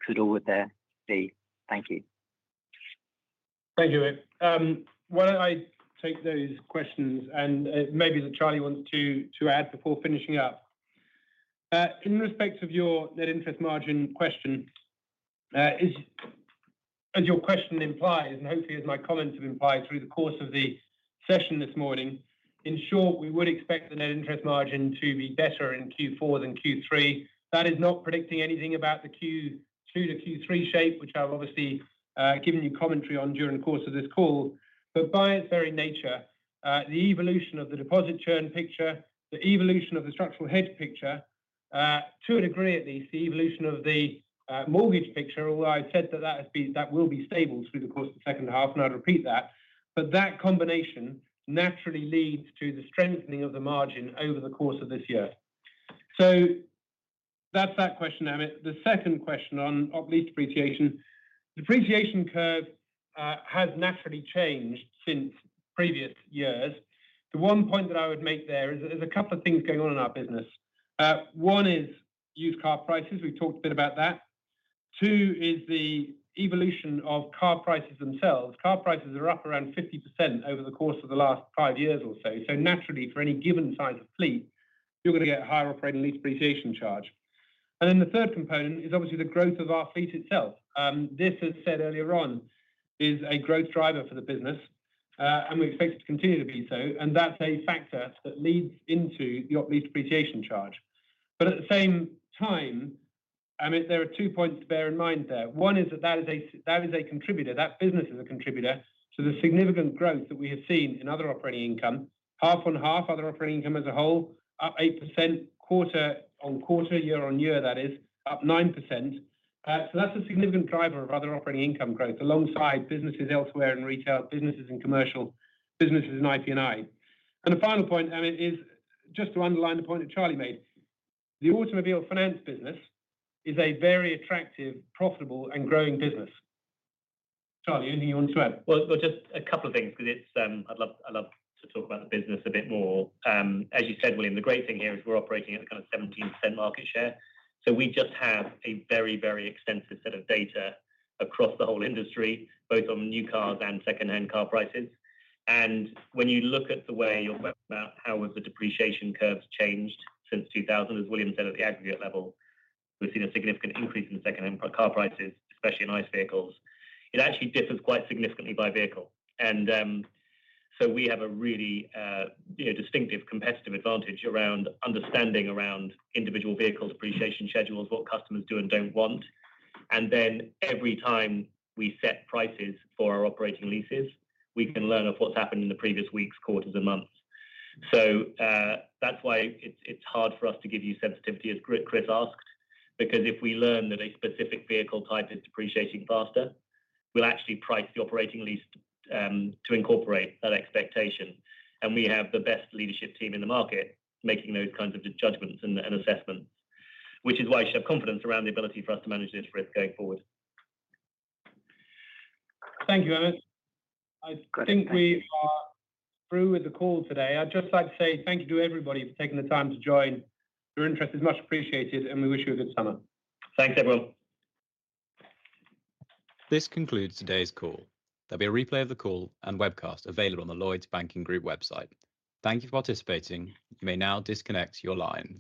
L: could or would there be? Thank you.
C: Thank you, Amit. Why don't I take those questions, and maybe Charlie wants to add before finishing up. In respect of your net interest margin question, as your question implies, and hopefully as my comments have implied through the course of the session this morning, in short, we would expect the net interest margin to be better in Q4 than Q3. That is not predicting anything about the Q2 to Q3 shape, which I've obviously given you commentary on during the course of this call. But by its very nature, the evolution of the deposit churn picture, the evolution of the structural hedge picture, to a degree at least, the evolution of the mortgage picture, although I said that that has been... That will be stable through the course of the second half, and I'd repeat that. But that combination naturally leads to the strengthening of the margin over the course of this year. So that's that question, Amit. The second question on operating lease depreciation. Depreciation curve has naturally changed since previous years. The one point that I would make there is that there's a couple of things going on in our business. One is used car prices. We've talked a bit about that. Two is the evolution of car prices themselves. Car prices are up around 50% over the course of the last five years or so. So naturally, for any given size of fleet, you're gonna get a higher operating lease depreciation charge. And then the third component is obviously the growth of our fleet itself. This, as said earlier on, is a growth driver for the business, and we expect it to continue to be so, and that's a factor that leads into the operating lease depreciation charge. But at the same time, Amit, there are two points to bear in mind there. One is that that is a contributor, that business is a contributor to the significant growth that we have seen in other operating income. Half on half, other operating income as a whole, up 8% quarter-on-quarter, year-on-year, that is, up 9%. So that's a significant driver of other operating income growth, alongside businesses elsewhere in retail, businesses and commercial, businesses in IP&I. And the final point, Amit, is just to underline the point that Charlie made. The automobile finance business is a very attractive, profitable, and growing business. Charlie, anything you want to add?
B: Well, just a couple of things, because it's... I'd love, I'd love to talk about the business a bit more. As you said, William, the great thing here is we're operating at kind of 17% market share, so we just have a very, very extensive set of data across the whole industry, both on new cars and secondhand car prices. And when you look at the way you're about how has the depreciation curves changed since 2000, as William said, at the aggregate level, we've seen a significant increase in secondhand car prices, especially in used vehicles. It actually differs quite significantly by vehicle. And, so we have a really distinctive competitive advantage around understanding around individual vehicle depreciation schedules, what customers do and don't want. And then every time we set prices for our operating leases, we can learn of what's happened in the previous weeks, quarters, and months. So, that's why it's, it's hard for us to give you sensitivity, as Chris asked, because if we learn that a specific vehicle type is depreciating faster, we'll actually price the operating lease to incorporate that expectation. And we have the best leadership team in the market making those kinds of judgments and, and assessments, which is why you should have confidence around the ability for us to manage this risk going forward.
C: Thank you, Amit.
B: Great.
C: I think we are through with the call today. I'd just like to say thank you to everybody for taking the time to join. Your interest is much appreciated, and we wish you a good summer.
B: Thanks, everyone.
A: This concludes today's call. There'll be a replay of the call and webcast available on the Lloyds Banking Group website. Thank you for participating. You may now disconnect your lines.